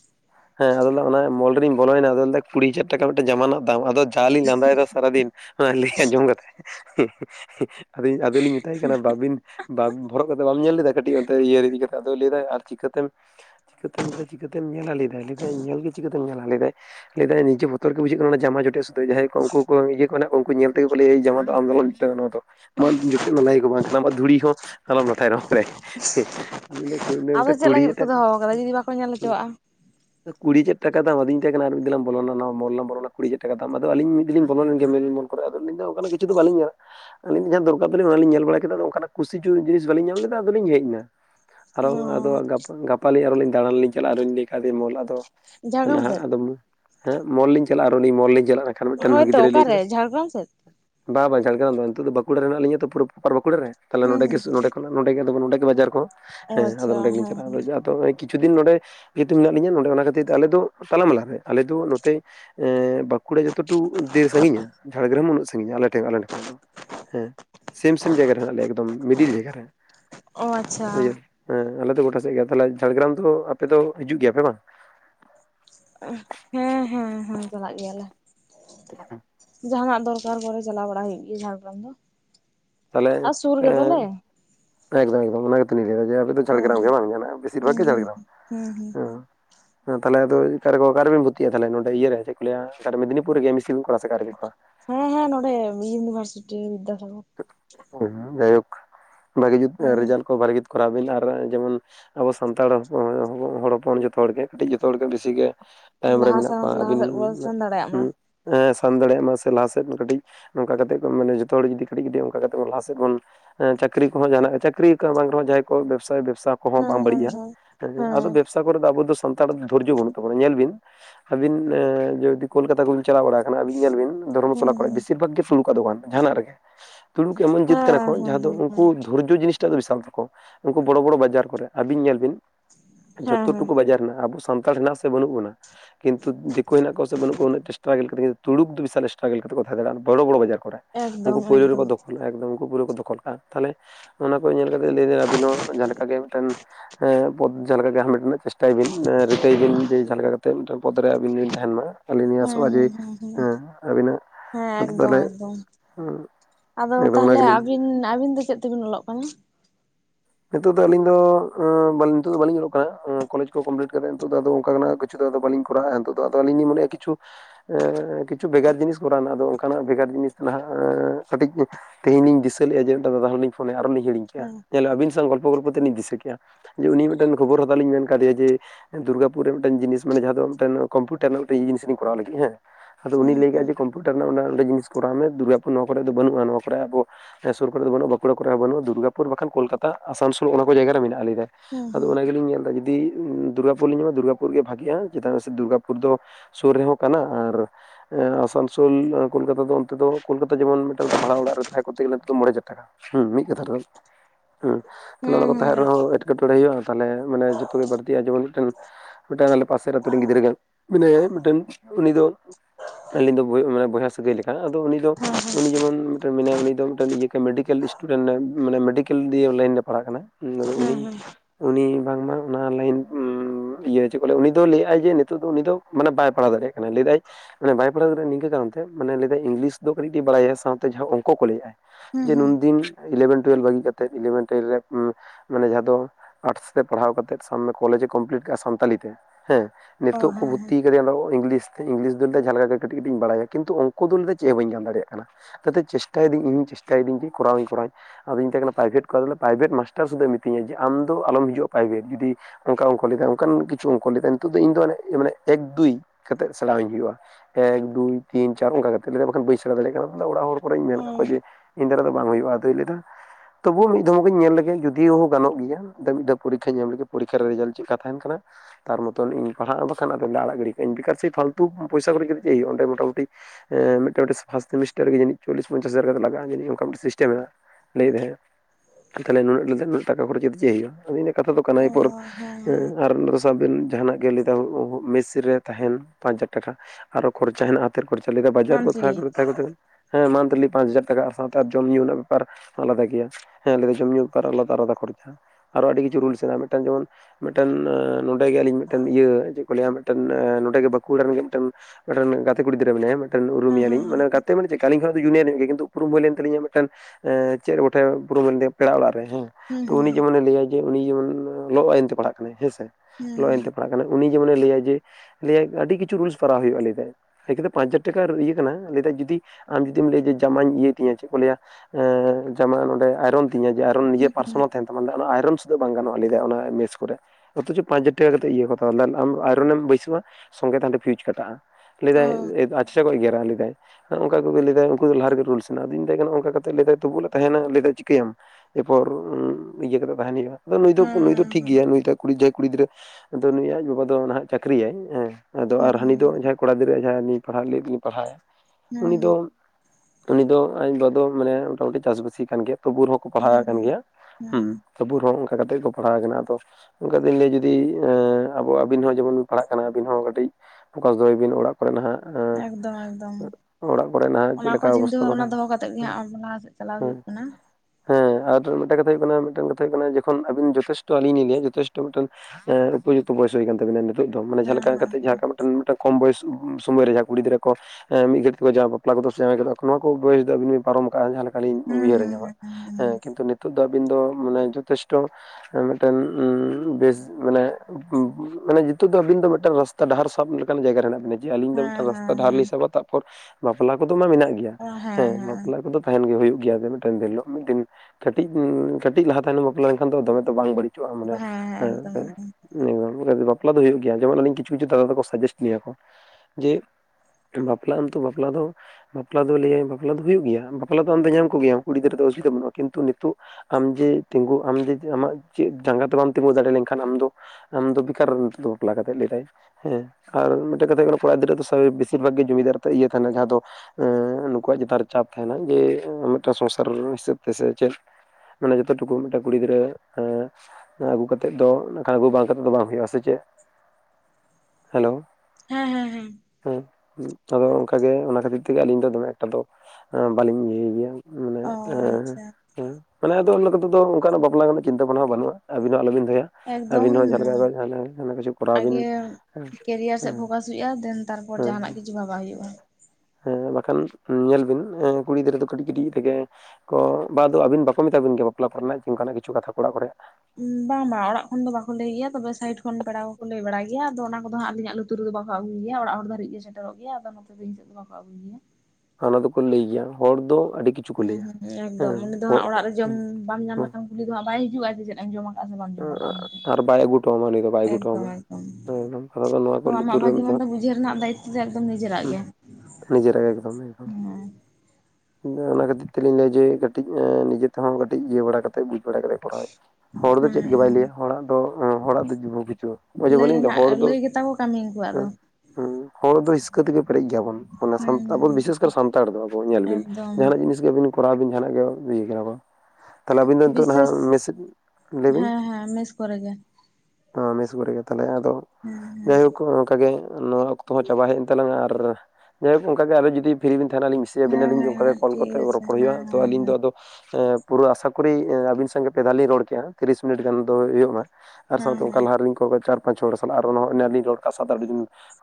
S2: ᱦᱮᱸ ᱟᱫᱚ ᱞᱟᱹᱭᱫᱟ ᱚᱱᱟ ᱢᱚᱞ ᱨᱮᱞᱤᱧ ᱵᱚᱞᱚᱭᱮᱱᱟ ᱟᱫᱚᱞ ᱞᱟᱹᱭᱫᱟ ᱠᱩᱲᱤ ᱦᱟᱡᱟᱨ ᱴᱟᱠᱟ ᱢᱤᱫᱴᱮᱱ ᱡᱟᱢᱟ ᱨᱮᱱᱟᱜ ᱫᱟᱢ, ᱟᱫᱚ ᱡᱟ ᱞᱤᱧ ᱞᱟᱸᱫᱟ ᱭᱮᱫᱟ ᱥᱟᱨᱟ ᱫᱤᱱ ᱚᱱᱟ ᱞᱟᱹᱭ ᱟᱡᱚᱢ ᱠᱟᱛᱮ᱾ [unintelligible] ᱟᱫᱚᱧ ᱟᱫᱚ ᱞᱤᱧ ᱢᱮᱛᱟᱭ ᱠᱟᱱᱟ ᱵᱟᱵᱤᱱ ᱵᱟᱢ ᱦᱚᱨᱚᱜ ᱠᱟᱛᱮᱫ ᱵᱟᱢ ᱧᱮᱞ ᱞᱮᱫᱟ ᱠᱟᱹᱴᱤᱡ ᱚᱱᱛᱮ ᱤᱭᱟᱹ ᱨᱮ ᱤᱫᱤ ᱠᱟᱛᱮ ᱟᱫᱚ ᱞᱟᱹᱭ ᱫᱟ ᱟᱨ ᱪᱤᱠᱟᱹᱛᱮᱢ᱾ ᱪᱤᱠᱟᱹᱛᱮᱢ ᱞᱟᱹᱭᱟᱫᱟ ᱪᱤᱠᱟᱹᱛᱮᱢ ᱧᱮᱟ ᱞᱟᱹᱭᱫᱟᱭ ᱞᱟᱹᱭᱫᱟᱭ ᱧᱮᱞ ᱜᱮ ᱪᱤᱠᱟᱹᱛᱮ ᱧᱮᱞᱟ ᱞᱟᱹᱭᱫᱟᱭ ᱞᱟᱹᱭᱫᱟᱭ ᱱᱤᱡᱮ ᱵᱚᱛᱚᱨ ᱜᱮ ᱵᱩᱡᱷᱟᱹᱜ ᱠᱟᱱᱟ ᱚᱱᱟ ᱡᱟᱢᱟ ᱡᱚᱴᱮᱫ ᱥᱩᱫᱷ ᱡᱟᱦᱟᱸᱭ ᱠᱚ ᱩᱱᱠᱩ ᱠᱚ ᱤᱭᱟᱹ ᱠᱚ ᱢᱮᱱᱟᱜ ᱠᱚ ᱩᱱᱠᱩ ᱧᱮᱞ ᱛᱮᱜᱮ ᱠᱚ ᱞᱟᱹᱭᱟ ᱮᱭ ᱡᱟᱢᱟ ᱫᱚ ᱟᱢ ᱫᱚ ᱟᱞᱚᱢ ᱡᱚᱢᱮᱫᱼᱟ ᱱᱚᱣᱟ ᱫᱚ᱾ ᱟᱢ ᱡᱚᱴᱮᱫ ᱞᱟᱭᱮᱠ ᱦᱚᱸ ᱵᱟᱝ ᱠᱟᱱᱟ ᱟᱢᱟᱜ ᱫᱷᱩᱲᱤ ᱦᱚᱸ ᱟᱞᱚᱢ ᱞᱟᱴᱷᱟᱭᱟ ᱱᱚᱣᱟ ᱨᱮ᱾ ᱤᱱᱟᱹ ᱠᱩ ᱤᱱᱟᱹ
S1: ᱟᱫᱚ
S2: ᱢᱤᱴᱮᱜ
S1: ᱪᱮᱫ ᱞᱟᱹᱜᱤᱫ ᱠᱚ ᱫᱚᱦᱚ ᱠᱟᱫᱟ ᱡᱩᱫᱤ ᱵᱟᱠᱚ ᱧᱮᱞ ᱦᱚᱪᱚᱣᱟᱜ?
S2: ᱠᱩᱲᱤ ᱪᱟᱨ ᱴᱟᱠᱟ ᱫᱟᱢ ᱟᱫᱚᱧ ᱢᱮᱛᱟᱭ ᱠᱟᱱᱟ ᱟᱨ ᱢᱤᱫ ᱫᱤᱱᱞᱟᱝ ᱵᱚᱞᱱᱟ ᱱᱚᱣᱟ ᱢᱚᱞ ᱞᱟᱝ ᱵᱚᱞᱱᱟ ᱠᱩᱲᱤ ᱦᱚᱡᱟᱨ ᱴᱟᱠᱟ ᱫᱟᱢ ᱟᱫᱚ ᱟᱞᱤᱧ ᱢᱤᱫ ᱫᱤᱧ ᱵᱚᱞᱚ ᱞᱮᱱ ᱜᱮ ᱯᱳᱨᱮ ᱟᱫᱚ ᱟᱞᱤᱧ ᱫᱚ ᱚᱱᱠᱟᱜ ᱠᱤᱪᱷᱩ ᱫᱚ ᱵᱟᱞᱤᱧ ᱧᱮᱞᱟ᱾ ᱟᱹᱞᱤᱧ ᱫᱚ ᱡᱟᱦᱟᱸ ᱫᱚᱨᱠᱟᱨ ᱛᱟᱞᱤᱧ ᱚᱱᱟᱞᱤᱧ ᱧᱮᱞ ᱵᱟᱲᱟ ᱠᱮᱫᱟ ᱚᱱᱠᱟᱱᱟᱜ ᱠᱩᱥᱤᱪᱩᱨ ᱡᱤᱱᱤᱥ ᱵᱟᱞᱤᱧ ᱧᱟᱢ ᱞᱮᱫᱟ ᱟᱫᱚᱞᱤᱧ ᱦᱮᱡ ᱮᱱᱟ᱾ ᱟᱨᱚ
S1: ᱚ
S2: ᱟᱫᱚ ᱜᱟᱯᱟᱞᱤᱧ ᱟᱨᱚ ᱞᱤᱧ ᱫᱟᱲᱟᱱᱞᱤᱧ ᱪᱟᱞᱟᱜ ᱟᱨᱚᱧ ᱞᱟᱹᱭ ᱟᱠᱟᱫᱮᱭᱟ ᱢᱚᱞ ᱟᱫᱚ
S1: ᱡᱷᱟᱲᱜᱨᱟᱢ
S2: ᱱᱟᱦᱟᱜ
S1: ᱥᱮᱫ
S2: ᱟᱫᱚ, ᱦᱮᱸ ᱢᱚᱞ ᱞᱤᱧ ᱪᱟᱞᱟᱜᱼᱟ ᱟᱨ ᱩᱱᱤ ᱢᱚᱞ ᱞᱤᱧ ᱪᱟᱞᱟᱜ [unintelligible] ᱠᱷᱟᱱ ᱢᱤᱫᱴᱮᱱ ᱦᱚ
S1: ᱦᱳᱭᱛᱚ
S2: ᱜᱤᱫᱽᱨᱟᱹᱭ ᱞᱟᱹᱭ
S1: ᱚᱠᱟᱨᱮ
S2: ᱠᱮᱫᱟ
S1: ᱡᱷᱟᱲᱜᱨᱟᱢ ᱥᱮᱫ
S2: ᱾ ᱵᱟᱝ ᱵᱟᱝ ᱡᱷᱟᱲᱨᱟᱢ ᱫᱚ ᱱᱤᱛᱜ ᱫᱚ ᱵᱟᱠᱩᱲᱟ ᱨᱮ ᱢᱮᱱᱟᱜ ᱞᱤᱧᱟ ᱛᱚ ᱯᱩᱨᱟᱹ ᱚᱯᱟᱨ ᱵᱟᱸᱠᱩᱲᱟ ᱨᱮ ᱛᱟᱦᱞᱮ
S1: ᱦᱩᱸ
S2: ᱱᱚᱰᱮ ᱜᱮ
S1: ᱦᱩᱸ
S2: ᱥᱩ ᱱᱚᱰᱮ ᱠᱷᱚᱱᱟᱜ ᱱᱚᱰᱮ ᱜᱮ ᱟᱫᱚ, ᱱᱚᱰᱮ ᱜᱮ ᱵᱟᱡᱟᱨ ᱠᱚ ᱦᱚᱸ᱾
S1: ᱚᱪᱷᱟ᱾
S2: ᱟᱫᱚ ᱱᱚᱰᱮ ᱜᱮᱞᱤᱧ ᱪᱟᱞᱟᱜ [inaudible] ᱟᱫᱚ ᱠᱤᱪᱷᱩ ᱫᱤᱱ ᱱᱚᱸᱰᱮ ᱡᱮᱦᱛᱩ ᱢᱮᱱᱟᱜ ᱞᱤᱧᱟ ᱱᱚᱰᱮ ᱚᱱᱟ ᱠᱷᱟᱹᱛᱤᱨ ᱟᱞᱮ ᱫᱚ ᱛᱟᱞᱟᱢᱟᱞᱟ ᱨᱮ ᱟᱞᱮ ᱫᱚ ᱱᱚᱛᱮ ᱮᱸ ᱵᱟᱸᱠᱩᱲᱟ ᱡᱚᱛᱚ ᱴᱩ ᱰᱮᱨ ᱥᱟᱺᱜᱤᱧᱟ ᱡᱷᱟᱲᱜᱮᱨᱟᱢ ᱦᱚᱸ ᱩᱱᱟᱹᱜ ᱥᱟᱺᱜᱤᱧᱟ ᱟᱞᱮ ᱴᱷᱮ ᱟᱞᱮ ᱴᱷᱮᱱ ᱠᱷᱚᱱ ᱫᱚ᱾ ᱦᱮᱸ, ᱥᱮᱢ -ᱥᱮᱢ ᱡᱟᱭᱜᱟ ᱨᱮ ᱦᱮᱱᱟᱜ ᱞᱮᱭᱟ ᱮᱠᱫᱚᱢ ᱢᱤᱰᱤᱞ ᱡᱟᱭᱜᱟ ᱨᱮ᱾
S1: ᱚ ᱟᱪᱪᱷᱟ
S2: ᱵᱩᱡᱷ ᱦᱮᱸ ᱟᱞᱮ ᱫᱚ ᱜᱚᱴᱟ ᱥᱮᱫ ᱜᱮ, ᱛᱟᱦᱞᱮ ᱡᱷᱟᱲᱜᱨᱟᱢ ᱫᱚ ᱟᱯᱮ ᱫᱚ ᱦᱤᱡᱩᱜ ᱜᱮᱭᱟᱯᱮ ᱵᱟᱝ?
S1: ᱦᱮᱸ ᱦᱮᱸ ᱦᱮᱸ ᱪᱟᱞᱟᱜ ᱜᱮᱭᱟᱞᱮ᱾
S2: [unintelligible]
S1: ᱡᱟᱦᱟᱱᱟᱜ ᱫᱚᱨᱠᱟᱨ ᱠᱚᱨᱮ ᱪᱟᱞᱟᱣ ᱵᱟᱲᱟ ᱦᱩᱭᱩᱜ ᱜᱮᱭᱟ ᱡᱷᱟᱲᱜᱨᱟᱢ ᱫᱚ ᱟᱨ ᱥᱩᱨ ᱜᱫᱚᱞᱮ᱾
S2: ᱦᱮᱸ ᱤᱠᱫᱚᱢ ᱮᱠᱫᱚᱢ ᱚᱱᱟ ᱜᱮᱛᱚ ᱞᱤᱧ ᱞᱟᱹᱭ ᱫᱟ ᱟᱯᱮ ᱫᱚ
S1: ᱦᱮᱸ
S2: ᱡᱷᱟᱲᱜᱨᱟᱢ ᱜᱮ
S1: ᱦᱮᱸ
S2: ᱵᱟᱝ ᱡᱟᱦᱟᱱᱟᱜ ᱵᱮᱥᱤᱨ ᱵᱷᱟᱜᱽ
S1: ᱦᱩᱸ
S2: ᱜᱮ
S1: ᱦᱩᱸ
S2: ᱡᱷᱟᱲᱜᱮᱨᱟᱢ᱾
S1: ᱦᱩᱸ [inaudible]
S2: ᱛᱟᱦᱞᱮ ᱟᱫᱚ ᱚᱠᱟᱨᱮ ᱜᱚ ᱚᱠᱟᱨᱮ ᱵᱤᱱ ᱵᱷᱚᱨᱛᱤᱜᱼᱟ, ᱛᱟᱦᱚᱞᱮ ᱱᱚᱰᱮ ᱤᱭᱟᱹ ᱨᱮ ᱪᱮᱫ ᱠᱚ ᱞᱟᱹᱭᱟ ᱚᱠᱟᱨᱮ ᱢᱮᱫᱱᱤᱯᱩᱨ ᱨᱮᱜᱮ ᱮᱢ ᱮᱥ ᱥᱤ ᱵᱤᱱ ᱠᱚᱨᱟᱣᱟ ᱥᱮ ᱚᱠᱟᱨᱮᱵᱤᱱ ᱠᱚᱨᱟᱣᱟ ᱾
S1: ᱦᱮᱸ ᱦᱮᱸ ᱱᱚᱰᱮ ᱤᱭᱩᱱᱤᱵᱷᱟᱨᱥᱤᱴᱤ ᱵᱤᱫᱽᱫᱟᱥᱟᱜᱚᱨ᱾
S2: ᱡᱟᱭᱦᱳᱠ ᱵᱷᱟᱹᱜᱤ ᱡᱩᱛ
S1: ᱦᱮᱸ
S2: ᱨᱮᱡᱟᱞᱴ ᱠᱚ ᱵᱷᱟᱹᱜᱤ ᱠᱚᱨᱟᱣ ᱵᱤᱱ ᱟᱨ ᱡᱮᱢᱚᱱ ᱟᱵᱚ ᱥᱟᱱᱛᱟᱲ ᱦᱚᱲ ᱦᱚᱯᱚᱱ ᱡᱚᱛᱚ ᱦᱚᱲᱜᱮ ᱠᱟᱹᱴᱤᱡ ᱡᱚᱛᱚ ᱦᱚᱲᱜᱮ ᱵᱮᱥᱤᱜ ᱜᱮ ᱛᱟᱭᱚᱢ ᱨᱮ
S1: ᱞᱟᱦᱟ
S2: ᱢᱮᱱᱟᱜ
S1: ᱥᱮᱱ
S2: ᱠᱚᱣᱟ,
S1: ᱞᱟᱦᱟ
S2: ᱟᱹᱵᱤᱱ
S1: ᱥᱮᱫ ᱵᱚᱱ ᱥᱮᱱ ᱫᱟᱲᱮᱭᱟᱜ
S2: ᱩᱸ
S1: ᱢᱟ
S2: ᱥᱟᱱ ᱫᱟᱲᱮᱭᱟᱜ ᱢᱟ ᱥᱮ ᱞᱟᱦᱟ ᱥᱮᱫ ᱠᱟᱹᱴᱤᱡ ᱱᱚᱝᱠᱟ ᱠᱟᱛᱮᱜ ᱢᱟᱱᱮ ᱡᱚᱛᱚ ᱦᱚᱲ ᱡᱩᱫᱤ ᱠᱟᱹᱴᱤᱡ ᱠᱟᱹᱴᱤᱡ ᱚᱱᱠᱟ ᱠᱟᱛᱮ ᱞᱟᱦᱟ ᱥᱮᱫ ᱵᱚᱱ ᱪᱟᱹᱠᱨᱤ ᱠᱚᱦᱚᱸ ᱡᱟᱦᱱᱟᱜ ᱪᱟᱹᱠᱨᱤ ᱵᱟᱝ ᱨᱮᱦᱚᱸ ᱡᱟᱦᱟᱸ ᱠᱚ ᱵᱮᱵᱥᱟᱭᱟ ᱵᱮᱵᱥᱟ ᱠᱚᱦᱚᱸ
S1: ᱦᱮᱸ
S2: ᱵᱟᱝ
S1: ᱦᱮᱸ
S2: ᱵᱟᱹᱲᱤᱡᱜᱼᱟ,
S1: ᱦᱮᱸ ᱦᱮᱸ
S2: ᱟᱫᱚ ᱵᱮᱵᱽᱥᱟ ᱠᱚᱨᱮ ᱫᱚ ᱟᱵᱚ ᱫᱚ ᱥᱟᱱᱛᱟᱲ ᱫᱚ ᱫᱷᱳᱨᱡᱚ ᱵᱟᱹᱱᱩᱜ ᱛᱟᱵᱱᱟ ᱧᱮᱞ ᱵᱤᱱ ᱟᱵᱤᱱ ᱡᱩᱫᱤ ᱠᱳᱠᱟᱛᱟ ᱠᱚᱵᱤᱱ ᱪᱟᱞᱟᱣ ᱵᱟᱲᱟ ᱟᱹᱵᱤᱱ ᱧᱮᱞ ᱵᱤᱱ
S1: ᱦᱮᱸ
S2: ᱫᱷᱚᱨᱢᱚᱥᱟᱞᱟ ᱠᱚᱨᱮ
S1: ᱦᱮᱸ
S2: ᱵᱮᱥᱤᱨ ᱵᱷᱟᱜ ᱜᱮ [unintelligible] ᱫᱚᱠᱟᱱ ᱡᱟᱦᱟᱱᱟᱜ ᱨᱮᱜᱮ᱾ ᱛᱩᱲᱩᱠ ᱮᱢᱚᱱ ᱡᱟᱹᱛ ᱠᱟᱱᱟ ᱠᱚ
S1: ᱦᱮᱸ ᱦᱮᱸ
S2: ᱡᱟᱦᱟᱸ ᱫᱚ
S1: ᱦᱮᱸ ᱦᱮᱸ
S2: ᱩᱱᱠᱩ ᱫᱷᱳᱨᱡᱚ ᱡᱤᱱᱤᱥ ᱴᱟᱜ ᱫᱚ ᱵᱤᱥᱟᱞ ᱛᱟᱠᱚ ᱩᱱᱠᱩ ᱵᱚᱲᱚ ᱵᱚᱲᱚ ᱵᱟᱡᱟᱨ ᱠᱚᱨᱮ ᱟᱹᱵᱤᱱ ᱧᱮᱞ ᱵᱤᱱ
S1: ᱦᱮᱸ
S2: ᱡᱷᱚᱛᱚ
S1: ᱦᱮᱸ
S2: ᱴᱩᱠᱩ ᱵᱟᱡᱟᱨ ᱦᱮᱱᱟᱜᱼᱟ ᱟᱵᱚ ᱥᱟᱱᱛᱟᱲ ᱦᱮᱱᱟᱜ ᱥᱮ ᱵᱟᱹᱱᱩᱜ ᱵᱚᱱᱟ, ᱠᱤᱱᱛᱩ ᱫᱤᱠᱩ ᱦᱮᱱᱟᱜ ᱠᱚᱣᱟ ᱥᱮ ᱵᱟᱹᱱᱩᱜ ᱠᱚᱣᱟ ᱩᱱᱟᱜ ᱮᱥᱴᱨᱟᱜᱮᱞ ᱠᱟᱛᱮᱜ ᱠᱤᱱᱛᱩ ᱛᱩᱲᱩᱠ ᱫᱚ ᱵᱤᱥᱟᱞ ᱮᱥᱴᱨᱟᱜᱮᱞ ᱠᱟᱛᱮ ᱠᱚ ᱛᱟᱦᱮᱸ ᱫᱟᱲᱮᱭᱟᱜᱼᱟ ᱵᱚᱲᱚ ᱵᱚᱲᱚ ᱵᱟᱡᱟᱨ ᱠᱚᱨᱮ᱾ ᱩᱱᱠᱩ
S1: ᱮᱠᱫᱚᱢ
S2: ᱯᱳᱞᱳ
S1: ᱮᱠᱫᱚᱢ
S2: ᱨᱮᱠᱚ ᱫᱚᱠᱷᱚᱞᱚᱜᱼᱟ ᱮᱠᱫᱚᱢ ᱩᱱᱠᱩ ᱯᱩᱨᱟᱹ ᱠᱚ ᱫᱚᱠᱷᱚᱞ ᱠᱟᱜᱼᱟ ᱛᱟᱦᱚᱞᱮ ᱚᱱᱟ ᱠᱚ ᱧᱮᱞ ᱠᱟᱛᱮ ᱞᱟᱹᱭᱫᱟ ᱟᱵᱤᱱ ᱫᱚᱸ ᱡᱟᱦᱟᱸ ᱞᱮᱠᱟ ᱜᱮ ᱢᱤᱫᱴᱮᱱ, ᱯᱚᱫᱽ ᱡᱟᱦᱟᱸ ᱞᱮᱠᱟ ᱜᱮ ᱦᱟᱢᱮᱴ ᱨᱮᱱᱟᱜ ᱪᱮᱥᱴᱟᱭ ᱵᱤᱱ ᱨᱤᱠᱟᱹᱭ ᱵᱤᱱ ᱡᱮ ᱡᱟᱦᱟᱸ ᱞᱮᱠᱟ ᱠᱟᱛᱮᱜ ᱢᱤᱫᱴᱮᱱ ᱯᱚᱫ ᱨᱮ ᱟᱵᱤᱱ ᱵᱤᱱ ᱛᱟᱦᱮᱱ ᱢᱟ᱾ ᱟᱹᱞᱤᱧ ᱞᱤᱧ
S1: ᱦᱮᱸ
S2: ᱟᱥᱚᱜᱼᱟ ᱡᱮ
S1: ᱦᱮᱸ ᱦᱮᱸ ᱦᱮᱸ ᱦᱮᱸᱻ
S2: ᱟᱫᱚ
S1: ᱮᱠᱫᱚᱢ
S2: ᱛᱟᱦᱚᱞᱮ
S1: ᱮᱠᱫᱚᱢ ᱾ ᱟᱫᱚ
S2: ᱮᱠᱫᱚᱢ ᱚᱱᱟ
S1: ᱛᱟᱦᱞᱮ
S2: ᱜᱮᱞᱤᱧ
S1: ᱟᱵᱤᱱ ᱟᱵᱤᱱ ᱫᱚ ᱪᱮᱫ ᱛᱮᱵᱤᱱ ᱚᱞᱚᱜ ᱠᱟᱱᱟ?
S2: ᱱᱤᱛᱚᱜ ᱫᱚ ᱟᱹᱞᱤᱧ ᱫᱚ ᱟᱹᱻ ᱵᱟᱞᱤᱧ ᱧᱚᱜ ᱠᱟᱱᱟ ᱾ ᱠᱚᱞᱮᱡᱽ ᱠᱚ ᱠᱚᱢᱯᱞᱤᱴ ᱠᱟᱤᱛ ᱫᱚ ᱚᱱᱠᱟ ᱜᱮ ᱦᱟᱜ [unintelligible] ᱟᱫᱚ ᱵᱟᱧᱞᱤᱧ ᱠᱚᱟᱨᱟᱣ ᱮᱫ-ᱟ ᱟᱫᱚ ᱟᱹᱞᱤᱧ ᱞᱤᱧ ᱢᱚᱱᱮᱭᱮᱜ-ᱟ ᱠᱤᱷᱩ ᱠᱤᱪᱷᱩ ᱵᱷᱮᱜᱟᱨ ᱡᱤᱱᱤᱥ ᱠᱚᱨᱟᱣᱱᱟᱜ ᱟᱫᱚ ᱚᱱᱠᱟᱱᱟᱜ ᱵᱷᱮᱜᱟᱨ ᱡᱤᱱᱤᱥ ᱱᱟᱜ ᱠᱟᱹᱴᱤᱡ ᱛᱮᱦᱧ ᱞᱤᱧ ᱫᱤᱥᱟᱹ ᱞᱮᱫᱼᱟ ᱡᱮ ᱢᱤᱫᱴ ᱫᱟᱫᱟ ᱦᱚᱲ ᱞᱤᱧ ᱯᱷᱳᱱᱟᱭᱟ ᱟᱨ ᱦᱚᱸ ᱞᱤᱧ ᱦᱤᱲᱤᱧ ᱠᱮᱜ-ᱟ
S1: ᱦᱮᱸ
S2: ᱧᱮᱞᱮ ᱟᱹᱵᱤᱱ ᱥᱟᱶ ᱜᱚᱞᱯᱷᱚ ᱜᱚᱞᱯᱷᱚ ᱛᱮᱞᱤᱧ ᱫᱤᱥᱟᱹ ᱠᱮᱼᱟ ᱾ ᱡᱮ ᱩᱱᱤ ᱢᱤᱫᱴᱮᱱ ᱠᱷᱚᱵᱚᱨ ᱦᱟᱛᱟᱣ ᱞᱤᱧ ᱢᱮᱱ ᱟᱠᱟᱫᱮᱭᱟ ᱡᱮ ᱫᱩᱨᱜᱟᱯᱩᱨ ᱨᱮ ᱢᱤᱫᱴᱮᱱ ᱡᱤᱱᱤᱥ ᱢᱟᱱᱮ ᱡᱟᱦᱟᱸ ᱫᱚ ᱢᱤᱫᱴᱮᱱ ᱠᱚᱢᱯᱤᱭᱩᱴᱟᱨ ᱨᱮᱱᱟᱜ ᱢᱤᱫ ᱡᱤᱱᱤᱥ ᱞᱤᱧ ᱠᱚᱨᱟᱣ ᱞᱟᱹᱜᱤᱫ ᱦᱮᱸ ᱾ ᱟᱫᱚ ᱩᱱᱤᱤᱭ
S1: ᱦᱮᱸ
S2: ᱞᱟᱹᱭ ᱠᱟ
S1: ᱦᱮᱸ
S2: ᱡᱮ ᱠᱚᱢᱯᱤᱭᱩᱴᱟᱨ ᱨᱮᱱᱟᱜ ᱚᱱᱟ ᱢᱤᱫᱴᱟᱝ ᱡᱤᱱᱤᱥ ᱠᱚᱟᱣ ᱢᱮ ᱫᱩᱨᱜᱟᱯᱩᱨ ᱱᱚᱣᱟ ᱠᱚᱨᱮᱜ ᱫᱚ ᱵᱟᱹᱱᱩᱜᱼᱟ ᱱᱚᱣᱟ ᱠᱚᱨᱮᱜ ᱟᱵᱚ ᱥᱩᱨ ᱠᱚᱨᱮ ᱫᱚ ᱵᱟᱹᱱᱩᱜ ᱵᱟᱸᱠᱩᱲᱟ ᱠᱚᱨᱮ ᱦᱚᱸ ᱵᱟᱹᱱᱩᱜᱼᱟ ᱫᱩᱨᱜᱟᱯᱩᱨ ᱵᱟᱠᱷᱟᱱ ᱠᱳᱞᱠᱟᱛᱟ [unintelligible] ᱟᱥᱟᱱᱥᱚᱞ ᱚᱱᱟ ᱠᱚ ᱡᱟᱭᱜᱟ ᱨᱮ ᱢᱮᱱᱟᱜ ᱞᱟ
S1: ᱦᱮᱸ
S2: ᱟᱫᱚ
S1: ᱦᱮᱸ
S2: ᱚᱱᱟ ᱜᱮᱞᱤᱧ ᱧᱮᱞ ᱮᱫᱟ ᱡᱩᱫᱤ ᱫᱩᱨᱜᱟᱯᱩᱨ ᱞᱤᱧ ᱧᱟᱢᱟ ᱫᱩᱨᱜᱟᱯᱩᱨ ᱜᱮ ᱵᱷᱟᱜᱤᱜᱼᱟ ᱪᱮᱫᱟᱜ ᱥᱮ ᱫᱩᱨᱜᱟᱯᱩᱨ ᱫᱚ ᱥᱩᱨ ᱨᱮᱦᱚᱸ ᱠᱟᱱᱟ ᱟᱨ ᱟᱥᱟᱱᱥᱳᱞ ᱠᱚᱞᱠᱟᱛᱟ ᱫᱚ ᱱᱚᱛᱮ ᱫᱚ ᱠᱳᱞᱠᱟᱛᱟ ᱡᱮᱚᱱ ᱢᱤᱫᱴᱮᱡ ᱵᱷᱟᱲᱟ ᱚᱲᱟᱜ ᱨᱮ ᱛᱟᱦᱮᱸ ᱠᱚᱛᱮ ᱜᱮᱱ ᱫᱚ [unintelligible] ᱴᱟᱠᱟ ᱢᱤᱫ ᱠᱟᱛᱷᱟ ᱨᱮᱫᱚ ᱦᱮᱸ ᱛᱟᱦᱞᱮ
S1: ᱦᱮᱸ
S2: ᱚᱲᱟᱜ ᱠᱚ ᱛᱟᱦᱮᱸᱱ
S1: ᱦᱮᱸ
S2: ᱨᱮᱦᱚᱸ ᱮᱴᱠᱮ-ᱴᱚᱬᱮ ᱦᱩᱭᱩᱜᱼᱟ ᱛᱟᱦᱞᱮ ᱢᱟᱱᱮ ᱡᱚᱛᱚ ᱜᱮ ᱵᱟᱹᱲᱛᱤᱜᱼᱟ ᱡᱮᱢᱚᱱ ᱢᱤᱫᱴᱮᱱ ᱢᱤᱫᱴᱜ ᱟᱞᱮ ᱯᱟᱥᱮ ᱨᱮ ᱟᱛᱩ ᱨᱮ ᱜᱤᱫᱽᱨᱟᱹ ᱠᱟᱱᱟ ᱢᱟᱱᱮ ᱢᱤᱫᱴᱮᱱ ᱩᱱᱤ ᱫᱚ ᱟᱹᱞᱤᱧ ᱫᱚ ᱢᱟᱱᱮ ᱵᱚᱭᱦᱟ ᱥᱟᱹᱜᱟᱹᱭ ᱞᱮᱠᱟ ᱟᱫᱚ ᱩᱱᱤ ᱫᱚ
S1: ᱦᱮᱸ
S2: ᱩᱱᱤ ᱡᱮᱢᱚᱱ ᱢᱮᱱᱟᱭᱟ ᱩᱱᱤ ᱫᱚ ᱢᱤᱫᱴᱮᱱ ᱤᱭᱟᱹ ᱢᱮᱰᱤᱠᱮᱞ ᱤᱥᱴᱩᱰᱮᱸᱱᱴ ᱢᱟᱱᱮ ᱢᱮᱰᱤᱠᱮᱞ ᱤᱭ ᱞᱟᱭᱤᱱ ᱨᱮ ᱯᱟᱲᱦᱟᱜ ᱠᱟᱱᱟ ᱾ ᱟᱫᱚ
S1: ᱦᱮᱸ
S2: ᱩᱱᱤ
S1: ᱦᱮᱸ
S2: ᱩᱱᱤ ᱵᱟᱝᱢᱟ ᱚᱱᱟ ᱞᱟᱹᱭᱤᱱ ᱤᱭᱟᱹ ᱪᱮᱫ ᱠᱚ ᱞᱟᱹᱭᱟ ᱩᱱᱤ ᱫᱚ ᱞᱟᱹᱭᱮᱫᱟᱭ ᱡᱮ ᱱᱤᱛᱚᱜ ᱫᱚ ᱩᱱᱤ ᱫᱚ ᱢᱟᱱᱮ ᱵᱟᱭ ᱯᱟᱲᱦᱟᱣ ᱫᱟᱲᱮᱭᱟᱜ ᱠᱟᱱᱟᱭ ᱞᱟᱹᱭᱮᱫᱟᱭ ᱢᱟᱱᱮ ᱵᱟᱭ ᱯᱟᱲᱦᱟᱣ ᱫᱟᱲᱮᱭᱟᱜ ᱱᱤᱠᱟᱹ ᱠᱚᱱ ᱛᱮ ᱢᱟᱱᱮ ᱞᱟᱹᱭᱟᱭᱟ ᱤᱝᱞᱤᱥ ᱫᱚ ᱠᱟᱹᱴᱤᱡᱤᱡ ᱮ ᱵᱟᱲᱟᱭᱟ ᱥᱟᱶᱛᱮ ᱡᱟᱦᱟᱸ ᱚᱝᱠᱚ ᱠᱚ ᱞᱟᱹᱭᱮᱫᱼᱟ
S1: ᱦᱮᱸ
S2: ᱡᱮ
S1: ᱦᱮᱸ
S2: ᱱᱩᱱ ᱫᱤᱱ ᱤᱞᱮᱵᱷᱮᱱ ᱴᱩᱭᱮᱞ ᱵᱟᱹᱜᱤ ᱠᱟᱛᱮ ᱤᱞᱮᱵᱷᱮᱱ ᱴᱩᱭᱮᱞᱵᱷ ᱨᱮ ᱢᱟᱱᱮ ᱡᱟᱦᱟᱸ ᱫᱚ ᱟᱨᱴᱥ ᱛᱮ ᱯᱟᱲᱦᱟᱣ ᱠᱟᱛᱮ ᱠᱚᱞᱮᱡᱽ ᱮ ᱠᱚᱢᱯᱤᱞᱤᱴ ᱠᱟᱜᱼᱟ ᱥᱟᱱᱛᱟᱞᱤ ᱛᱮ ᱾ ᱦᱮᱸ
S1: ᱚ
S2: ᱱᱤᱛᱚᱜ ᱠᱚ
S1: ᱦᱮᱸ ᱦᱮᱸ
S2: ᱵᱷᱚᱨᱛᱤ ᱟᱠᱟᱫᱮᱭᱟ ᱤᱝᱞᱤᱥ ᱤᱝᱞᱤᱥ ᱫᱩ ᱞᱟᱹᱭ ᱫᱟ ᱡᱟᱦᱟᱸ ᱞᱮᱠᱟ ᱠᱟᱹᱛᱤᱡ ᱠᱟᱹᱴᱤᱡᱧ ᱵᱟᱲᱟᱭᱟ ᱠᱤᱱᱛᱩ ᱚᱝᱠᱚ ᱫᱚ ᱞᱟᱹᱭ ᱮᱫ-ᱟᱭ ᱪᱮᱫ ᱦᱚᱸ ᱵᱟᱹᱧ ᱜᱟᱱ ᱫᱟᱲᱭᱟᱜ ᱠᱟᱱᱟ ᱾ ᱡᱟᱛᱮ ᱪᱮᱥᱴᱟᱭᱮᱫᱟᱹᱧ ᱤᱧ ᱪᱮᱥᱴᱟᱭ ᱫᱟᱹᱧ ᱠᱚᱨᱟᱣ ᱤᱧ ᱠᱚᱨᱟᱣ ᱤᱧ ᱟᱫᱚᱧ ᱢᱮᱛᱟᱭ ᱠᱟᱱᱟ ᱯᱨᱟᱭᱵᱷᱮᱴ ᱠᱚ ᱛᱟᱦᱚᱞᱮ ᱯᱨᱟᱭᱵᱷᱮᱴ ᱡᱟᱥᱴᱟᱨ ᱥᱩᱫᱩ ᱢᱤᱛᱟᱹᱧᱟ ᱡᱮ ᱟᱢ ᱫᱚ ᱟᱚᱢ ᱦᱤᱡᱼᱟ ᱯᱨᱟᱭᱵᱷᱮᱴ ᱡᱩᱫᱤ ᱾ ᱚᱱᱠᱟ ᱚᱝᱠᱚ ᱞᱮᱭᱫᱟ ᱚᱱᱠᱟᱱ ᱠᱤᱪᱷᱩ ᱚᱝᱠᱚ ᱞᱮᱫᱟ ᱱᱤᱛᱚᱜ ᱫᱚ ᱤᱧ ᱢᱟᱱᱮ ᱮᱠ ᱫᱩᱭ ᱠᱟᱛᱮᱫ ᱥᱮᱬᱟᱣ ᱤᱧ ᱦᱩᱭᱩᱜᱼᱟ᱾ ᱮᱠ ᱫᱩᱭ ᱛᱤᱱ ᱪᱟᱨ ᱚᱱᱠᱟ ᱠᱟᱛᱮᱫ ᱵᱟᱠᱷᱟᱱ ᱵᱟᱹᱧ ᱥᱮᱬᱟ ᱫᱟᱲᱮᱭᱟᱜ ᱠᱟᱱᱟ ᱛᱚ ᱚᱲᱟᱜ ᱦᱚᱲ ᱛᱟᱨ ᱯᱚᱨᱮᱧ ᱢᱮᱱ
S1: ᱚ
S2: ᱠᱟᱫ ᱠᱚᱣᱟ ᱡᱮ ᱤᱧ ᱫᱟᱨᱟᱭ ᱫᱚ ᱵᱟᱝ ᱦᱩᱭᱩᱜᱼᱟ ᱟᱫᱚᱭ ᱞᱮᱭᱫᱟ ᱛᱚᱵᱩ ᱢᱤᱫ ᱫᱷᱚᱢ ᱜᱮᱧ ᱧᱮᱞ ᱞᱮᱜᱮᱭᱟ ᱡᱩᱫᱤᱭᱳ ᱦᱚᱸ ᱜᱟᱱᱚᱜ ᱜᱮᱭᱟ ᱾ ᱢᱤᱫ ᱫᱷᱟᱣ ᱯᱚᱨᱤᱠᱠᱷᱟᱧ ᱧᱟᱢ ᱞᱮ ᱯᱚᱨᱤᱠᱠᱷᱟ ᱨᱮᱡᱟᱞᱴ ᱪᱮᱫᱞᱮᱠᱟ ᱛᱟᱦᱮᱱ ᱠᱟᱱᱟ ᱾ ᱛᱟᱨ ᱢᱚᱛᱚᱱ ᱤᱧ ᱯᱟᱲᱦᱟᱜᱼᱟ ᱵᱟᱠᱷᱟᱱ ᱟᱫᱚ ᱟᱲᱟᱜ ᱜᱤᱰᱤ ᱠᱟᱜᱼᱟᱧ ᱵᱮᱟᱨ ᱥᱮ ᱯᱷ ᱯᱷᱟᱞᱛᱩ ᱯᱚᱭᱥᱟ ᱠᱚ [unintelligible] ᱠᱟᱛᱮᱴᱤᱡᱮᱡ ᱦ ᱦᱩᱭᱩᱜᱼᱟ ᱚᱸᱰᱮ ᱢᱚᱴᱟᱢᱩᱴᱤ ᱢᱤᱫᱴᱟᱝ ᱢᱤᱫᱟᱝ ᱯᱷᱟᱥᱴ ᱥᱮᱢᱤᱥᱴᱟᱨ ᱜᱮ ᱡᱟᱹᱱᱤᱡ ᱪᱚᱞᱞᱤᱥ ᱯᱚᱧᱪᱟᱥ ᱦᱟᱡᱟᱨ ᱠᱟᱛᱮ ᱞᱟᱜᱟᱜ-ᱟ ᱡᱟᱹᱱᱤᱡ ᱚᱱᱠᱟ ᱢᱤᱫ ᱥᱤᱥᱴᱮᱢ ᱢᱮᱱᱟᱜᱼᱟ ᱾ ᱞᱟᱹᱭ [unintelligible] ᱛᱟᱦᱞᱮᱩᱱᱟᱹᱜ ᱱᱩᱱᱟᱹᱜ ᱴᱟᱠᱟ ᱠᱷᱚᱨᱪᱟ ᱫᱚ ᱪᱮᱫ ᱦᱩᱭᱩᱜᱼᱟ [unintelligible] ᱠᱟᱛᱷᱟ ᱫᱚ ᱠᱟᱱᱟ ᱾ ᱮᱨᱯᱚᱨ ᱦᱮᱸ ᱟᱨ ᱥᱟᱵᱤᱱ ᱡᱟᱦᱟᱱᱟᱜ ᱜᱮ ᱞᱟᱹᱭᱫᱟ ᱢᱮᱥ ᱨᱮ ᱛᱟᱦᱮᱱ ᱯᱟᱸᱪ ᱦᱟᱡᱟᱨ ᱴᱟᱠᱟ ᱟᱨᱚ ᱠᱷᱚᱨᱪᱟ ᱦᱮᱱᱟᱜ-ᱟ᱾ ᱠᱷᱚᱨᱪᱟ
S1: ᱢᱟᱱᱛᱷᱞᱤ
S2: [unintelligible] ᱦᱮᱸ ᱢᱟᱱᱛᱷᱞᱤ ᱯᱟᱸᱪ ᱦᱟᱡᱟᱨ ᱴᱟᱠᱟ ᱥᱟᱶ ᱛᱮ ᱟᱨ ᱡᱚᱢ ᱧᱩ ᱨᱮᱱᱟᱜ ᱵᱮᱯᱟᱨ ᱟᱞᱟᱫᱟ ᱜᱮᱭᱟ ᱾ ᱦᱮᱸ ᱞᱟᱹᱭ ᱡᱚᱢ ᱧᱩᱩ ᱟᱨ ᱟᱞᱟᱫᱟ ᱟᱞᱟᱫᱟ ᱠᱷᱚᱨᱪᱟ ᱟᱨᱚ ᱟᱹᱰᱤ ᱠᱤᱪᱷᱩ ᱨᱩᱞᱥ ᱢᱮᱱᱟᱜᱼᱟ ᱾ ᱢᱤᱫᱴᱟᱱ ᱡᱮᱢᱚᱱ ᱢᱤᱫᱴᱮᱱ ᱱᱚᱰᱮ ᱜᱮ ᱟᱞᱤᱧ ᱢᱤᱫᱴᱮᱱ ᱤᱭᱟᱹ ᱪᱮᱫ ᱠᱚ ᱞᱟᱹᱭᱟ ᱢᱤᱫᱴᱮᱱ ᱱᱚᱰᱮ ᱜᱮ ᱵᱟᱸᱠᱩᱲᱟ ᱨᱮᱱᱜᱮ ᱢᱤᱫᱴᱮᱱ ᱢᱤᱫᱴᱮᱱ ᱜᱟᱛᱮ ᱠᱩᱲᱤ ᱜᱤᱫᱽᱨᱟᱹ ᱢᱱᱟᱭᱟ ᱾ ᱢᱤᱫᱴᱮᱱ
S1: ᱦᱮᱸ
S2: ᱩᱨᱩᱢᱭᱟᱤᱧ
S1: ᱦᱮᱸ ᱦᱮᱸ
S2: ᱢᱟᱱ ᱜᱟᱛᱮ ᱢᱮᱱ ᱪᱮᱫ ᱟᱞᱤᱧ ᱠᱷᱚᱱᱱᱟᱜ ᱫᱚ ᱡᱩᱱᱤᱭᱟᱨ ᱦᱩᱭᱩᱜ ᱜᱮᱭᱟ ᱠᱤᱱᱛᱩ ᱩᱯᱩᱢ ᱦᱩᱭ ᱞᱮᱱ ᱛᱟᱞᱧᱟ ᱢᱤᱫᱴᱮᱱ ᱪᱮᱫᱜᱴᱷᱮᱱ ᱯᱩᱨᱟᱹ ᱢᱮᱱᱮᱭᱟ ᱯᱮᱲᱟ ᱚᱲᱟᱜ ᱨᱮ ᱦᱮᱸ
S1: ᱦᱩᱸ
S2: ᱛᱚ
S1: ᱦᱩᱸ
S2: ᱩᱱᱤ
S1: ᱦᱩᱸ
S2: ᱡᱮᱢᱚᱱᱮ ᱞᱟᱹᱟᱭ ᱡᱮ ᱩᱱᱤ ᱡᱮᱢᱚᱱ ᱞᱚᱜᱼ ᱟᱭᱤᱱ ᱛᱮ ᱯᱟᱲᱦᱟᱜ ᱠᱟᱱᱟᱭ ᱾ ᱦᱮᱸ ᱥᱮ
S1: ᱦᱩᱸ
S2: ᱞᱚ ᱟᱭᱤᱱ ᱛᱮ
S1: ᱦᱩᱸ
S2: ᱯᱟᱲᱦᱟᱜ ᱠᱟᱱᱟ ᱩᱱᱤ ᱡᱮ ᱢᱚᱱᱮ ᱞᱟᱹᱭᱟᱭ ᱡᱮ ᱞᱟᱹᱭᱟᱭ ᱟᱹᱰᱤ ᱠᱤᱪᱷᱩ ᱨᱩᱞᱥ ᱯᱟᱲᱟᱣ ᱦᱩᱭᱩᱜᱼᱟ ᱞᱟᱹᱭᱟᱭ ᱾ ᱦᱮᱠᱟᱹᱛᱮ ᱯᱟᱸᱪ ᱦᱟᱡᱟᱨ ᱴᱟᱠᱟ ᱤᱭᱟᱹ ᱠᱟᱱᱟ ᱞᱟᱹᱭ ᱫᱟ ᱡᱩᱫᱤ ᱟᱢ ᱡᱩᱫᱤᱢ ᱞᱟᱹᱭᱟ ᱡᱟᱢᱟᱧ ᱤᱭᱟᱹᱭ ᱛᱤᱧᱟ ᱪᱮᱫ ᱠᱚ ᱞᱟᱹᱭᱟ ᱮᱸᱻ ᱡᱟᱢᱟ ᱱᱚᱸᱰᱮ ᱟᱭᱨᱚᱱ ᱛᱤᱧᱟ ᱡᱮ ᱟᱭᱨᱚᱱ ᱱᱤᱡᱮ
S1: ᱦᱩᱸ ᱦᱩᱸ
S2: ᱯᱟᱨᱥᱚᱱᱟ ᱛᱟᱸᱱᱟ ᱚᱱᱟ ᱟᱭᱨᱚᱱ ᱥᱩᱫᱷ ᱵᱟᱝ ᱜᱟᱱᱚᱜᱼᱟ ᱞᱟᱹᱭᱟᱭ ᱚᱱᱟ ᱢᱮᱡᱽ ᱠᱚᱨᱮ ᱾ ᱚᱛᱷᱚ ᱯᱟᱸᱪ ᱦᱟᱡᱟᱨ ᱴᱟᱠᱟ ᱠᱟ ᱠᱟᱛᱮ ᱤᱭᱟᱹ ᱠᱚ ᱦᱟᱛᱟᱣᱟ ᱞᱮᱭ ᱟᱢ ᱟᱭᱨᱚᱱᱮ ᱮᱢ ᱵᱟᱹᱭᱥᱟᱹᱜᱼᱟ ᱥᱚᱸᱜᱮ ᱛᱟᱦᱚᱞᱮ ᱯᱷᱤᱭᱩᱡᱽ ᱠᱟᱴᱟᱜᱼᱟ ᱾
S1: ᱚ
S2: ᱞᱟᱹᱭᱫᱟᱭ ᱟᱪᱪᱷᱟ ᱠᱚ ᱮᱜᱮᱨᱟ ᱞᱟᱹᱭᱫᱟᱭ ᱾ ᱚᱱᱠᱟ ᱠᱚᱜᱮ ᱞᱟᱹᱭ ᱫᱟᱭ ᱩᱱᱠᱩ ᱫᱚ ᱞᱟᱦᱟ ᱨᱮᱜᱮ ᱨᱩᱞᱥ ᱢᱮᱱᱟᱜ-ᱟ᱾ᱟᱫᱚᱧ ᱢᱮᱛᱟᱭ ᱠᱟᱱᱟ ᱚᱱᱠᱟ ᱠᱟᱛᱮ ᱞᱟᱹᱭ ᱫᱟᱭ ᱛᱩᱵᱩ ᱞᱮ ᱛᱟᱦᱮᱱᱟ ᱞᱟᱹᱭ ᱫᱟᱭ ᱪᱤ ᱠᱮᱢ ᱮᱨᱯᱚᱨ ᱤᱭᱟᱹ ᱠᱟᱛᱮᱜ ᱛᱟᱦᱮᱱ ᱦᱩᱭᱩᱜ-ᱟ ᱟ ᱱᱩᱭ ᱫᱚ
S1: ᱦᱮᱸ
S2: ᱱᱩᱭ ᱫᱚ
S1: ᱦᱮᱸ
S2: ᱴᱷᱤᱠ
S1: ᱦᱮᱸ
S2: ᱜᱮᱭᱟ ᱱᱩᱭ ᱫᱚ ᱠᱩᱲᱤ ᱡᱟᱦᱟᱸᱭ ᱠᱩᱲᱤ ᱜᱤᱫᱽᱨᱟᱹ ᱟᱫᱚ ᱱᱩᱭ ᱟᱡ ᱵᱟᱵᱟ ᱫᱚ ᱱᱟᱦᱟᱜ ᱪᱟᱹᱠᱨᱤᱭᱟ ᱦᱮᱸ ᱟᱫᱚ ᱟᱨ
S1: ᱦᱩᱸ
S2: ᱦᱟᱹᱱᱤ ᱫᱚ ᱠᱚᱲᱟ ᱜᱤᱫᱽᱨᱟᱹ ᱡᱟᱦᱟᱸᱭ ᱯᱟᱲᱦᱟᱜ ᱞᱟᱹᱜᱤᱫ ᱞᱤᱧ ᱯᱟᱲᱦᱟᱭᱟ
S1: ᱦᱩᱸ
S2: ᱩᱱᱤ ᱫᱚ ᱩᱱᱤ ᱫᱚ ᱟᱡ ᱵᱟ ᱫᱚ ᱢᱟᱱᱮ ᱢᱳᱴᱟᱢᱩᱴᱤ ᱪᱟᱥᱵᱟᱹᱥᱤ ᱠᱟᱱ ᱜᱮᱭᱟ ᱛᱚᱵᱩ ᱨᱮ ᱦᱚᱸᱠᱚ
S1: ᱦᱩᱸ
S2: ᱯᱟᱲᱦᱟᱣ ᱠᱟᱱᱟᱱ
S1: ᱦᱩᱸ
S2: ᱜᱮᱭᱟ ᱦᱮᱸ
S1: ᱦᱩᱸ
S2: ᱛᱩᱵᱩ ᱨᱮ ᱦᱚᱸ ᱚᱱᱠᱟ ᱠᱟᱛᱮᱜ ᱠᱚ ᱯᱟᱲᱦᱟᱣ ᱠᱟᱱᱟ ᱟᱫᱚ ᱚᱱᱠᱟ ᱫᱤᱱ ᱞᱟᱹᱭ ᱡᱚᱫᱤᱸ ᱟᱵᱚ ᱟᱵᱤᱱ ᱦᱚᱸ ᱡᱮᱢᱚᱱ ᱵᱤᱱ ᱯᱟᱲᱦᱟᱜ ᱠᱟᱱᱟ ᱟᱵᱤᱱ ᱦᱚᱸᱚᱸ ᱠᱟᱹᱴᱤᱡ ᱯᱷᱚᱠᱟᱥ ᱫᱚᱦᱚᱭ ᱵᱤᱱ ᱚᱲᱟᱜ ᱠᱚᱨᱮ ᱱᱟᱦᱟᱜ
S1: ᱮᱠᱫᱚᱢ ᱮᱠᱫᱚᱢ
S2: ᱚᱲᱟᱜ ᱠᱚᱨᱮ ᱱᱟᱦᱟᱜ
S1: ᱚᱱᱟ
S2: ᱪᱮᱫ
S1: ᱠᱚ
S2: ᱞᱮᱠᱟ
S1: ᱪᱤᱱᱛᱟᱹ
S2: ᱚᱵᱚᱥᱛᱟ
S1: ᱵᱷᱟᱵᱱᱟ
S2: ᱛᱟᱦᱮᱱᱟ
S1: ᱫᱚᱦᱚ ᱠᱟᱛᱮ ᱜᱮ
S2: ᱦᱮᱸ
S1: ᱦᱟᱸᱜ ᱚᱱᱟ ᱪᱟᱞᱟᱣ
S2: ᱦᱮᱸ
S1: ᱦᱩᱭᱩᱜ ᱠᱟᱱᱟ
S2: ᱦᱮᱸ ᱟᱨ ᱢᱤᱫᱴᱟᱝ ᱠᱟᱛᱷᱟ ᱦᱩᱭᱩᱜ ᱠᱟᱱᱟ ᱦᱮᱸ ᱢᱤᱫᱴᱟᱝ ᱠᱟᱛᱷᱟ ᱦᱩᱭᱩᱜ ᱠᱟᱱᱟ ᱡᱚᱠᱷᱚᱱ ᱟᱵᱤᱱ ᱡᱚᱛᱷᱮᱥᱴᱚ ᱟᱞᱤᱧ ᱞᱟᱹᱭ ᱟ ᱡᱚᱛᱷᱮᱥᱴᱚ ᱢᱤᱫᱴᱮᱱ ᱩᱯᱚᱡᱩᱠᱛ ᱵᱚᱭᱚᱥ ᱦᱩᱭ ᱠᱟᱱ ᱛᱟᱵᱤᱱᱟ ᱱᱤᱛᱚᱜ ᱫᱚ ᱢᱟᱱᱮ ᱡᱟᱦᱟᱸ
S1: ᱦᱮᱸ
S2: ᱞᱮᱠᱟ
S1: ᱦᱮᱸ
S2: ᱠᱟᱛᱮᱜ ᱡᱟᱦᱟᱸ ᱢᱤᱫᱴᱟᱝ ᱠᱚᱢ ᱵᱚᱭᱮᱥ ᱥᱚᱢᱚᱭ ᱨᱮ ᱡᱟᱦᱟᱸ ᱠᱩᱲᱤ ᱜᱤᱫᱽᱨᱟᱹ ᱠᱚ ᱢᱤᱫ ᱜᱷᱤᱡ ᱛᱮᱠᱚ ᱡᱟ ᱵᱟᱯᱞᱟ ᱠᱚᱫᱚ ᱡᱟᱶᱟᱭ ᱢᱤᱫ ᱜᱷᱟᱹᱲᱤ ᱛᱮ ᱠᱩ ᱦᱤᱡᱩᱜ ᱱᱚᱣᱟ ᱠᱚ ᱵᱚᱭᱮᱥ ᱫᱚ ᱟᱹᱵᱤᱱ ᱵᱤᱱ ᱯᱟᱨᱚᱢ ᱠᱟᱜ-ᱟ ᱡᱟᱦᱟᱸ ᱞᱮᱠᱟᱞᱤᱧ
S1: ᱦᱮᱸ
S2: ᱩᱭᱦᱟᱹᱨᱟ
S1: ᱦᱮᱸ
S2: ᱧᱟᱢ-ᱟ᱾
S1: ᱦᱮᱸ
S2: ᱦᱮᱸ ᱠᱤᱱᱛᱩ ᱱᱤᱛᱚᱜ ᱫᱚ ᱟᱵᱤᱱ ᱫᱚ ᱢᱟᱱᱮ ᱡᱚᱛᱷᱮᱥᱴᱚ ᱢᱤᱫᱴᱮᱱᱻ ᱵᱮᱥ ᱢᱟᱱᱮ ᱢᱟᱱᱮ ᱧᱤᱛᱳᱜ ᱫᱚ ᱟᱹᱵᱤᱱ ᱫᱚ ᱢᱤᱫᱴᱟᱝ ᱨᱟᱥᱛᱟ ᱰᱟᱦᱟᱨ ᱥᱟᱵ ᱞᱮᱠᱟᱱ ᱡᱟᱭᱜᱟ ᱨᱮ ᱦᱮᱱᱟᱜ ᱵᱤᱱᱟ ᱡᱮ ᱟᱞᱤᱧ ᱫᱚ
S1: ᱦᱮᱸ
S2: ᱢᱤᱫᱴᱟᱝ
S1: ᱦᱮᱸ
S2: ᱨᱟᱥᱛᱟ ᱰᱟᱦᱟᱨ ᱞᱤᱧ
S1: ᱦᱮᱸ
S2: ᱥᱟᱵᱟ ᱛᱟᱯᱚᱨ ᱵᱟᱯᱞᱟ ᱠᱚᱫᱚ ᱢᱟ ᱢᱮᱱᱟᱜ ᱜᱮᱭᱟ ᱦᱮᱸ ᱵᱟᱯᱞᱟ ᱠᱚᱫᱚ ᱛᱟᱦᱮᱱ ᱜᱮ ᱦᱳᱭᱳᱜ ᱜᱮᱭᱟ ᱢᱤᱫ ᱦᱤᱞᱳ ᱢᱤᱫ ᱫᱤᱱ ᱠᱟᱹᱴᱤᱡ ᱩᱸ ᱠᱟᱹᱴᱤᱡ ᱞᱟᱦᱟ ᱛᱟᱦᱮᱱᱢ ᱵᱟᱯᱞᱟ ᱞᱮᱱᱠᱷᱟᱱ ᱫᱚᱢᱮ ᱫᱚ ᱵᱟᱝ ᱵᱟᱹᱲᱤᱡ ᱚᱱᱟ ᱢᱟᱱᱮ
S1: ᱦᱮᱸ ᱦᱮᱸ ᱦᱮᱸ ᱮᱠᱫᱚᱢ
S2: ᱦᱮᱸ
S1: ᱮᱠᱫᱚᱢ
S2: ᱮᱠᱫᱚᱢ ᱵᱟᱯᱞᱟ ᱫᱚ ᱦᱩᱭᱩᱜ ᱜᱮᱭᱟ ᱡᱮᱢᱚᱱ ᱟᱞᱤᱧ ᱠᱤᱪᱷᱩ ᱠᱤᱪᱷᱩ ᱫᱟᱫᱟ ᱥᱟᱡᱤᱥᱴ ᱞᱤᱧᱟᱹ ᱠᱚ ᱡᱮ ᱵᱟᱯᱞᱟ ᱟᱢ ᱛᱚ ᱵᱟᱯᱞᱟ ᱫᱚ ᱵᱟᱯᱞᱟ ᱫᱚ ᱞᱟᱹᱭ ᱟ ᱵᱟᱯᱞᱟ ᱫᱚ ᱦᱩᱭᱩᱜ ᱜᱮᱭᱟ ᱵᱟᱯᱞᱟ ᱫᱚ ᱟᱢᱫᱚ ᱧᱟᱢ ᱠᱚᱜᱮᱭᱟ ᱠᱩᱲᱤ ᱜᱤᱫᱽᱟᱹ ᱫᱚ ᱚᱥᱩᱵᱤᱫᱟ ᱵᱟᱹᱱᱩᱜ-ᱟ ᱠᱤᱱᱛᱩ ᱱᱤᱛᱩᱜ ᱟᱢ ᱡᱮ ᱛᱤᱸᱜᱩ ᱟᱢ ᱡᱮ ᱟᱢᱟᱜ ᱪᱮᱫ ᱡᱟᱸᱜᱟ ᱛᱮ ᱵᱟᱢ ᱛᱤᱸᱜᱩ ᱫᱟᱲᱮ ᱞᱮᱱᱠᱷᱟᱱ ᱟᱢ ᱫᱚ ᱟᱢ ᱫᱚ ᱵᱮᱠᱟᱨ ᱵᱟᱯᱞᱟ ᱠᱟᱛᱮᱫ ᱞᱟᱹᱭ ᱫᱟᱭ ᱦᱮ ᱟᱨ ᱢᱤᱫᱴᱟᱹᱜ ᱠᱟᱛᱷᱟ ᱦᱩᱭᱩᱜ ᱠᱟᱱᱟ ᱠᱚᱲᱟ ᱜᱤᱫᱽᱨᱟᱹ ᱫᱚ ᱵᱮᱥᱤᱨ ᱵᱷᱟᱜ ᱜᱮ ᱡᱚᱢᱢᱤᱫᱟᱨ ᱤᱭᱟᱹ ᱛᱟᱦᱮᱱᱟ ᱡᱟᱦᱟᱸ ᱫᱚ ᱮᱸᱻ ᱱᱩᱠᱩᱣᱟᱜ ᱪᱮᱛᱟᱱ ᱨᱮ ᱪᱟᱯ ᱛᱟᱦᱮᱱᱟ ᱡᱮ ᱢᱤᱫᱴᱟᱱ ᱥᱚᱝᱥᱟᱨ ᱦᱤᱥᱟᱹᱵ ᱛᱮᱥᱮ ᱪᱮᱫ ᱢᱟᱱᱮ ᱡᱚᱛᱚ ᱴᱩᱠᱩ ᱢᱤᱫᱴᱟᱹᱜ ᱠᱩᱲᱤ ᱜᱤᱫᱽᱨᱟᱹ ᱮᱸ ᱟᱹᱜᱩ ᱠᱟᱛᱮᱫ ᱫᱚ ᱮᱠᱷᱟᱱ ᱟᱹᱜᱩ ᱵᱟᱝ ᱠᱟᱛᱮ ᱫᱚ ᱵᱟᱝ ᱦᱩᱭᱩᱜ-ᱟ ᱥᱮ ᱪᱮᱫ ᱦᱮᱞᱳ
S1: ᱦᱮᱸ- ᱦᱮᱸ- ᱦᱮᱸ
S2: ᱦᱩᱸ ᱟᱫᱚ ᱚᱱᱠᱟ ᱜᱮ ᱚᱱᱟ ᱠᱷᱟᱹᱛᱤᱨ ᱛᱮᱜᱮ ᱟᱞᱤᱧ ᱫᱚ ᱫᱚᱢᱮ ᱮᱠᱴᱟ ᱫᱚ ᱵᱟᱹᱞᱤᱧ ᱤᱭᱟᱹ ᱜᱮᱭᱟ ᱢᱟᱱᱮ
S1: ᱚᱻ ᱟᱪᱪᱷᱟ
S2: ᱦᱮᱸ ᱢᱟᱱᱮ ᱟᱫᱚ ᱱᱚᱛᱮ ᱫᱚ ᱚᱱᱠᱟᱱᱟᱜ ᱵᱟᱯᱞᱟ ᱨᱮᱱᱟᱜ ᱪᱤᱱᱛᱟᱹ ᱵᱷᱟᱱᱟ ᱵᱟᱹᱱᱩᱜ-ᱟ ᱟᱵᱤᱱ ᱦᱚᱸ ᱟᱞᱚᱵᱤᱱ ᱫᱚᱦᱚᱭᱟ
S1: ᱮᱜᱫᱚᱻᱢ,
S2: ᱟᱹᱵᱤᱱ ᱦᱚᱸ ᱡᱟᱦᱟᱸ ᱞᱮᱠᱟ ᱡᱟᱦᱟᱱᱟᱜ ᱠᱤᱪᱷᱩ ᱠᱚᱨᱟᱣ ᱵᱤᱱ
S1: ᱟᱜᱮ
S2: ᱦᱮᱸ
S1: ᱠᱮᱨᱤᱭᱟᱨ ᱥᱮᱫ ᱯᱷᱚᱠᱟᱥ ᱦᱩᱭᱩᱜ-ᱟ ᱫᱮᱱ ᱛᱟᱨᱯᱚᱨ
S2: ᱦᱮᱸ
S1: ᱡᱟᱦᱟᱱᱟᱜ ᱜᱮ ᱠᱤᱪᱷᱩ ᱵᱟᱵᱟᱭ ᱦᱩᱭᱩᱜ-ᱟ
S2: ᱦᱮᱸ ᱵᱟᱠᱷᱟᱱ ᱧᱮᱞ ᱵᱤᱱ ᱠᱩᱲᱤ ᱜᱤᱫᱽᱨᱟᱹ ᱫᱚ ᱠᱟᱹᱴᱤᱡ - ᱠᱟᱹᱴᱤᱡ ᱛᱮᱜᱮ ᱠᱚᱻ ᱵᱟ ᱫᱚ ᱟᱹᱵᱤᱱ ᱵᱟᱠᱚ ᱢᱮᱛᱟ ᱵᱤᱱ ᱜᱮᱭᱟ ᱵᱟᱯᱞᱟ ᱠᱚᱨᱮᱱᱟᱜ ᱚᱱᱠᱟᱱᱟᱜ ᱠᱤᱪᱷᱩ ᱠᱟᱛᱷᱟ ᱠᱚ ᱚᱲᱟᱜ ᱠᱚᱨᱮ
S1: ᱩᱸ ᱵᱟᱝ - ᱵᱟᱝ ᱚᱲᱟᱜ ᱠᱷᱚᱱ ᱫᱚ ᱵᱟᱠᱚ ᱞᱟᱹᱭ ᱜᱮᱭᱟ ᱛᱚᱵᱮ ᱥᱟᱭᱤᱴ ᱠᱷᱚᱱ ᱯᱮᱲᱟ ᱠᱚᱠᱚ ᱞᱟᱹᱭ ᱵᱟᱲᱟᱭ ᱜᱮᱭᱟ ᱟᱫᱚ ᱚᱱᱟ ᱠᱚᱫᱚ ᱦᱟᱸᱜ ᱟᱹᱞᱤᱧᱟᱜ ᱞᱩᱛ- ᱛᱩ ᱨᱮᱫᱚ ᱵᱟᱠᱚ ᱟᱹᱜᱩᱭ ᱜᱮᱭᱟ ᱚᱲᱟᱜ ᱦᱚᱲ ᱫᱷᱟᱹᱨᱤᱡ ᱜᱮ ᱥᱮᱴᱮᱨᱚᱜ ᱜᱮᱭᱟᱫᱚ ᱱᱚᱛᱮ ᱫᱚ ᱤᱧ ᱥᱮᱫ ᱫᱚ ᱵᱟᱠᱚ ᱟᱹᱜᱩᱭ ᱜᱮᱭᱟ
S2: ᱚᱱᱟ ᱫᱚᱠᱚ ᱞᱟᱹᱭ ᱜᱮᱭᱟ ᱦᱚᱲ ᱫᱚ ᱟᱹᱰᱤ ᱠᱤᱠ-
S1: ᱦᱩᱸ- ᱦᱩᱸ- ᱦᱩᱸ ᱮᱠᱫᱚᱢ ᱩᱱᱤ ᱫᱚ ᱦᱟᱸᱜ ᱚᱲᱟᱜ ᱨᱮ ᱡᱚᱢ
S2: ᱦᱮᱸ
S1: ᱵᱟᱢ ᱧᱟᱢ
S2: ᱦᱮᱸ
S1: ᱞᱮᱠᱷᱟᱱ ᱠᱩᱞᱤ ᱫᱚ ᱦᱟᱸᱜ ᱵᱟᱭ ᱦᱤᱡᱩᱜ-ᱟ ᱡᱮ ᱪᱮᱫᱼ ᱮᱢ ᱡᱚᱢ ᱟ ᱠᱟᱜ ᱥᱮ ᱵᱟᱢ ᱡᱚᱢᱠᱟᱜ ᱢᱮᱱᱛᱮ
S2: ᱟᱨ ᱵᱟᱭ ᱟᱹᱜᱩ ᱦᱚᱴᱚᱣᱟᱢᱟ ᱩᱱᱤ ᱫᱚ ᱵᱟᱭ ᱟᱹᱜᱩ
S1: ᱮᱠᱫᱚᱢ
S2: ᱦᱚᱴᱚᱣᱟᱢᱟ
S1: - ᱮᱠᱫᱚᱢ
S2: ᱦᱮᱸ ᱠᱟᱛᱷᱟ ᱫᱚ ᱱᱚᱣᱟ
S1: ᱛᱚ
S2: ᱠᱚ
S1: ᱟᱢᱟᱜ
S2: ᱞᱩᱛᱩᱨ ᱨᱮᱢ
S1: ᱵᱷᱟᱜᱤ
S2: ᱡᱚ
S1: ᱢᱚᱱᱫᱚ ᱵᱩᱡᱷᱟᱹᱣ ᱨᱮᱱᱟᱜ ᱫᱟᱭᱤᱛᱛᱚ ᱫᱚ ᱮᱠᱫᱚᱢ ᱱᱤᱡᱮᱨᱟᱜ ᱜᱮ
S2: ᱦᱩᱸ ᱱᱤᱡᱮᱨᱟᱜ ᱮᱠᱫᱚᱢ - ᱮᱠᱫᱚᱢ
S1: ᱦᱮᱸ
S2: ᱚᱱᱮ ᱚᱱᱟ ᱠᱷᱟᱹᱛᱤᱨ ᱛᱮᱞᱤᱧ ᱞᱟᱹᱭᱟ ᱡᱮ ᱠᱟᱹᱴᱤᱡ ᱮᱸ ᱱᱤᱡᱮ ᱛᱮᱦᱚᱸ ᱠᱟᱹᱴᱤᱡ ᱤᱭᱟᱹ ᱵᱟᱲᱟ ᱠᱟᱛᱮ ᱵᱩᱡ ᱵᱟᱲᱟ ᱠᱟ ᱠᱟᱛᱮᱫ ᱠᱚᱨᱟᱣ ᱦᱚᱲ ᱫᱚ ᱪᱮᱫ ᱜᱮ ᱵᱟᱭ
S1: ᱦᱮᱸ
S2: ᱞᱟᱹᱭ ᱟ ᱦᱚᱲᱟᱜ ᱫᱚ ᱦᱚᱲᱟᱜ ᱫᱚ ᱡᱤᱵᱚ ᱠᱤᱪᱷᱩ ᱱᱚᱜᱼᱚᱭ ᱡᱮ
S1: ᱞᱟᱹᱭ
S2: ᱵᱟᱹᱞᱤᱧ ᱞᱟᱹᱭᱫᱟ
S1: ᱨᱮᱱᱟᱜ
S2: ᱦᱚᱲ ᱫᱚ
S1: ᱞᱟᱹᱭ ᱜᱮᱛᱟ ᱠᱚ ᱠᱟᱹᱢᱤ ᱩᱱᱠᱩᱣᱟᱜ
S2: ᱦᱮᱸ
S1: ᱫᱚ
S2: ᱦᱮᱸ ᱦᱚᱲ ᱫᱚ ᱦᱤᱥᱠᱟᱹ ᱛᱮᱜᱮ ᱯᱮᱨᱮᱡ ᱜᱮᱭᱟᱵᱚᱱ ᱚᱱᱟ
S1: ᱦᱩᱸ
S2: ᱥᱟᱱᱛᱟ- ᱟᱵᱚ
S1: ᱦᱩᱸ
S2: ᱵᱤᱥᱮᱥ ᱠᱟᱨ ᱥᱟᱱᱛᱟᱲ ᱫᱚ ᱟᱵᱚ ᱧᱮᱞ ᱵᱤᱱ
S1: ᱮᱠᱫᱚᱢ
S2: ᱡᱟᱦᱟᱱᱟᱜ ᱡᱤᱱᱤᱥ ᱜᱮ ᱟᱵᱤᱱ ᱠᱚᱨᱟᱣ ᱵᱤᱱ ᱡᱟᱦᱱᱟᱜ ᱜᱮ ᱤᱭᱟᱹᱭ ᱠᱟᱱᱟ ᱠᱚ ᱛᱟᱦᱚᱞᱮ ᱟᱹᱵᱤᱱ ᱫᱚ ᱱᱤᱛᱳᱜ ᱱᱟᱦᱟᱜ
S1: ᱵᱤᱥᱮᱥ
S2: ᱢᱮᱥᱮ-
S1: ᱦᱮᱸ - ᱦᱮᱸ ᱢᱮᱥ ᱠᱚᱨᱮ ᱜᱮ
S2: ᱚᱸ ᱢᱮᱥ ᱠᱚᱨᱮ ᱜᱮ ᱛᱟᱦᱚᱞᱮ ᱟᱫᱚ,
S1: ᱦᱮᱸ ᱦᱮᱸ
S2: ᱡᱟᱭᱦᱳᱠ ᱚᱠ, ᱚᱱᱠᱟᱜᱮ ᱱᱚᱣᱟ ᱚᱠᱛᱚ ᱦᱚᱸ ᱪᱟᱵᱟ ᱦᱮᱡ ᱮᱱ ᱛᱟᱞᱟᱝᱟ ᱟᱨ ᱡᱟᱭᱦᱳᱠ ᱚᱱᱠᱟᱜᱮ ᱟᱨᱦᱚ ᱡᱩᱫᱤ, ᱯᱷᱤᱨᱤ ᱵᱤᱱ ᱛᱟᱦᱮᱱᱟ ᱟᱞᱤᱧ ᱢᱮᱥᱮᱡ
S1: ᱦᱮᱸ
S2: ᱟᱵᱤᱱᱟᱞᱤᱧ
S1: ᱦᱮᱸ
S2: ᱚᱱᱠᱟ ᱜᱮ
S1: ᱦᱮᱸ
S2: ᱠᱚᱞ
S1: ᱴᱷᱤᱠ
S2: ᱠᱟᱛᱮ
S1: ᱟᱪᱷᱮ
S2: ᱨᱚᱯᱚᱲ
S1: ᱦᱮᱸ
S2: ᱦᱩᱭᱩᱜᱼᱟ
S1: ᱦᱮᱸ
S2: ᱛᱚ ᱟᱹᱞᱤᱧ ᱫᱚ
S1: ᱦᱮᱸ
S2: ᱟᱫᱚ, ᱮᱸ ᱯᱩᱨᱟᱹ ᱟᱥᱟ ᱠᱩᱨᱤ ᱟᱵᱤᱱ ᱥᱚᱸᱜᱮ ᱞᱮ ᱫᱟ ᱞᱤᱧ ᱨᱚᱲ ᱠᱮᱜ - ᱟ ᱛᱤᱨᱤᱥ ᱢᱤᱱᱤᱴ ᱜᱟᱱ ᱫᱚ ᱦᱩᱭᱩᱜ ᱢᱟ᱾ ᱟᱨ
S1: ᱦᱮᱸ
S2: ᱥᱟᱶᱛᱮ
S1: ᱦᱮᱸ
S2: ᱚᱱᱠᱟ ᱞᱟᱦᱟ ᱨᱤᱱ ᱠᱚᱜᱚ ᱪᱟᱨ ᱯᱟᱸᱪ ᱦᱚᱲ ᱥᱟᱞᱟᱜ ᱨᱚᱱᱚᱲ ᱚᱱᱟ ᱞᱤᱧ ᱨᱚᱲ ᱠᱟᱜᱼᱟ ᱥᱮ ᱟᱰᱤᱫᱤᱱ᱾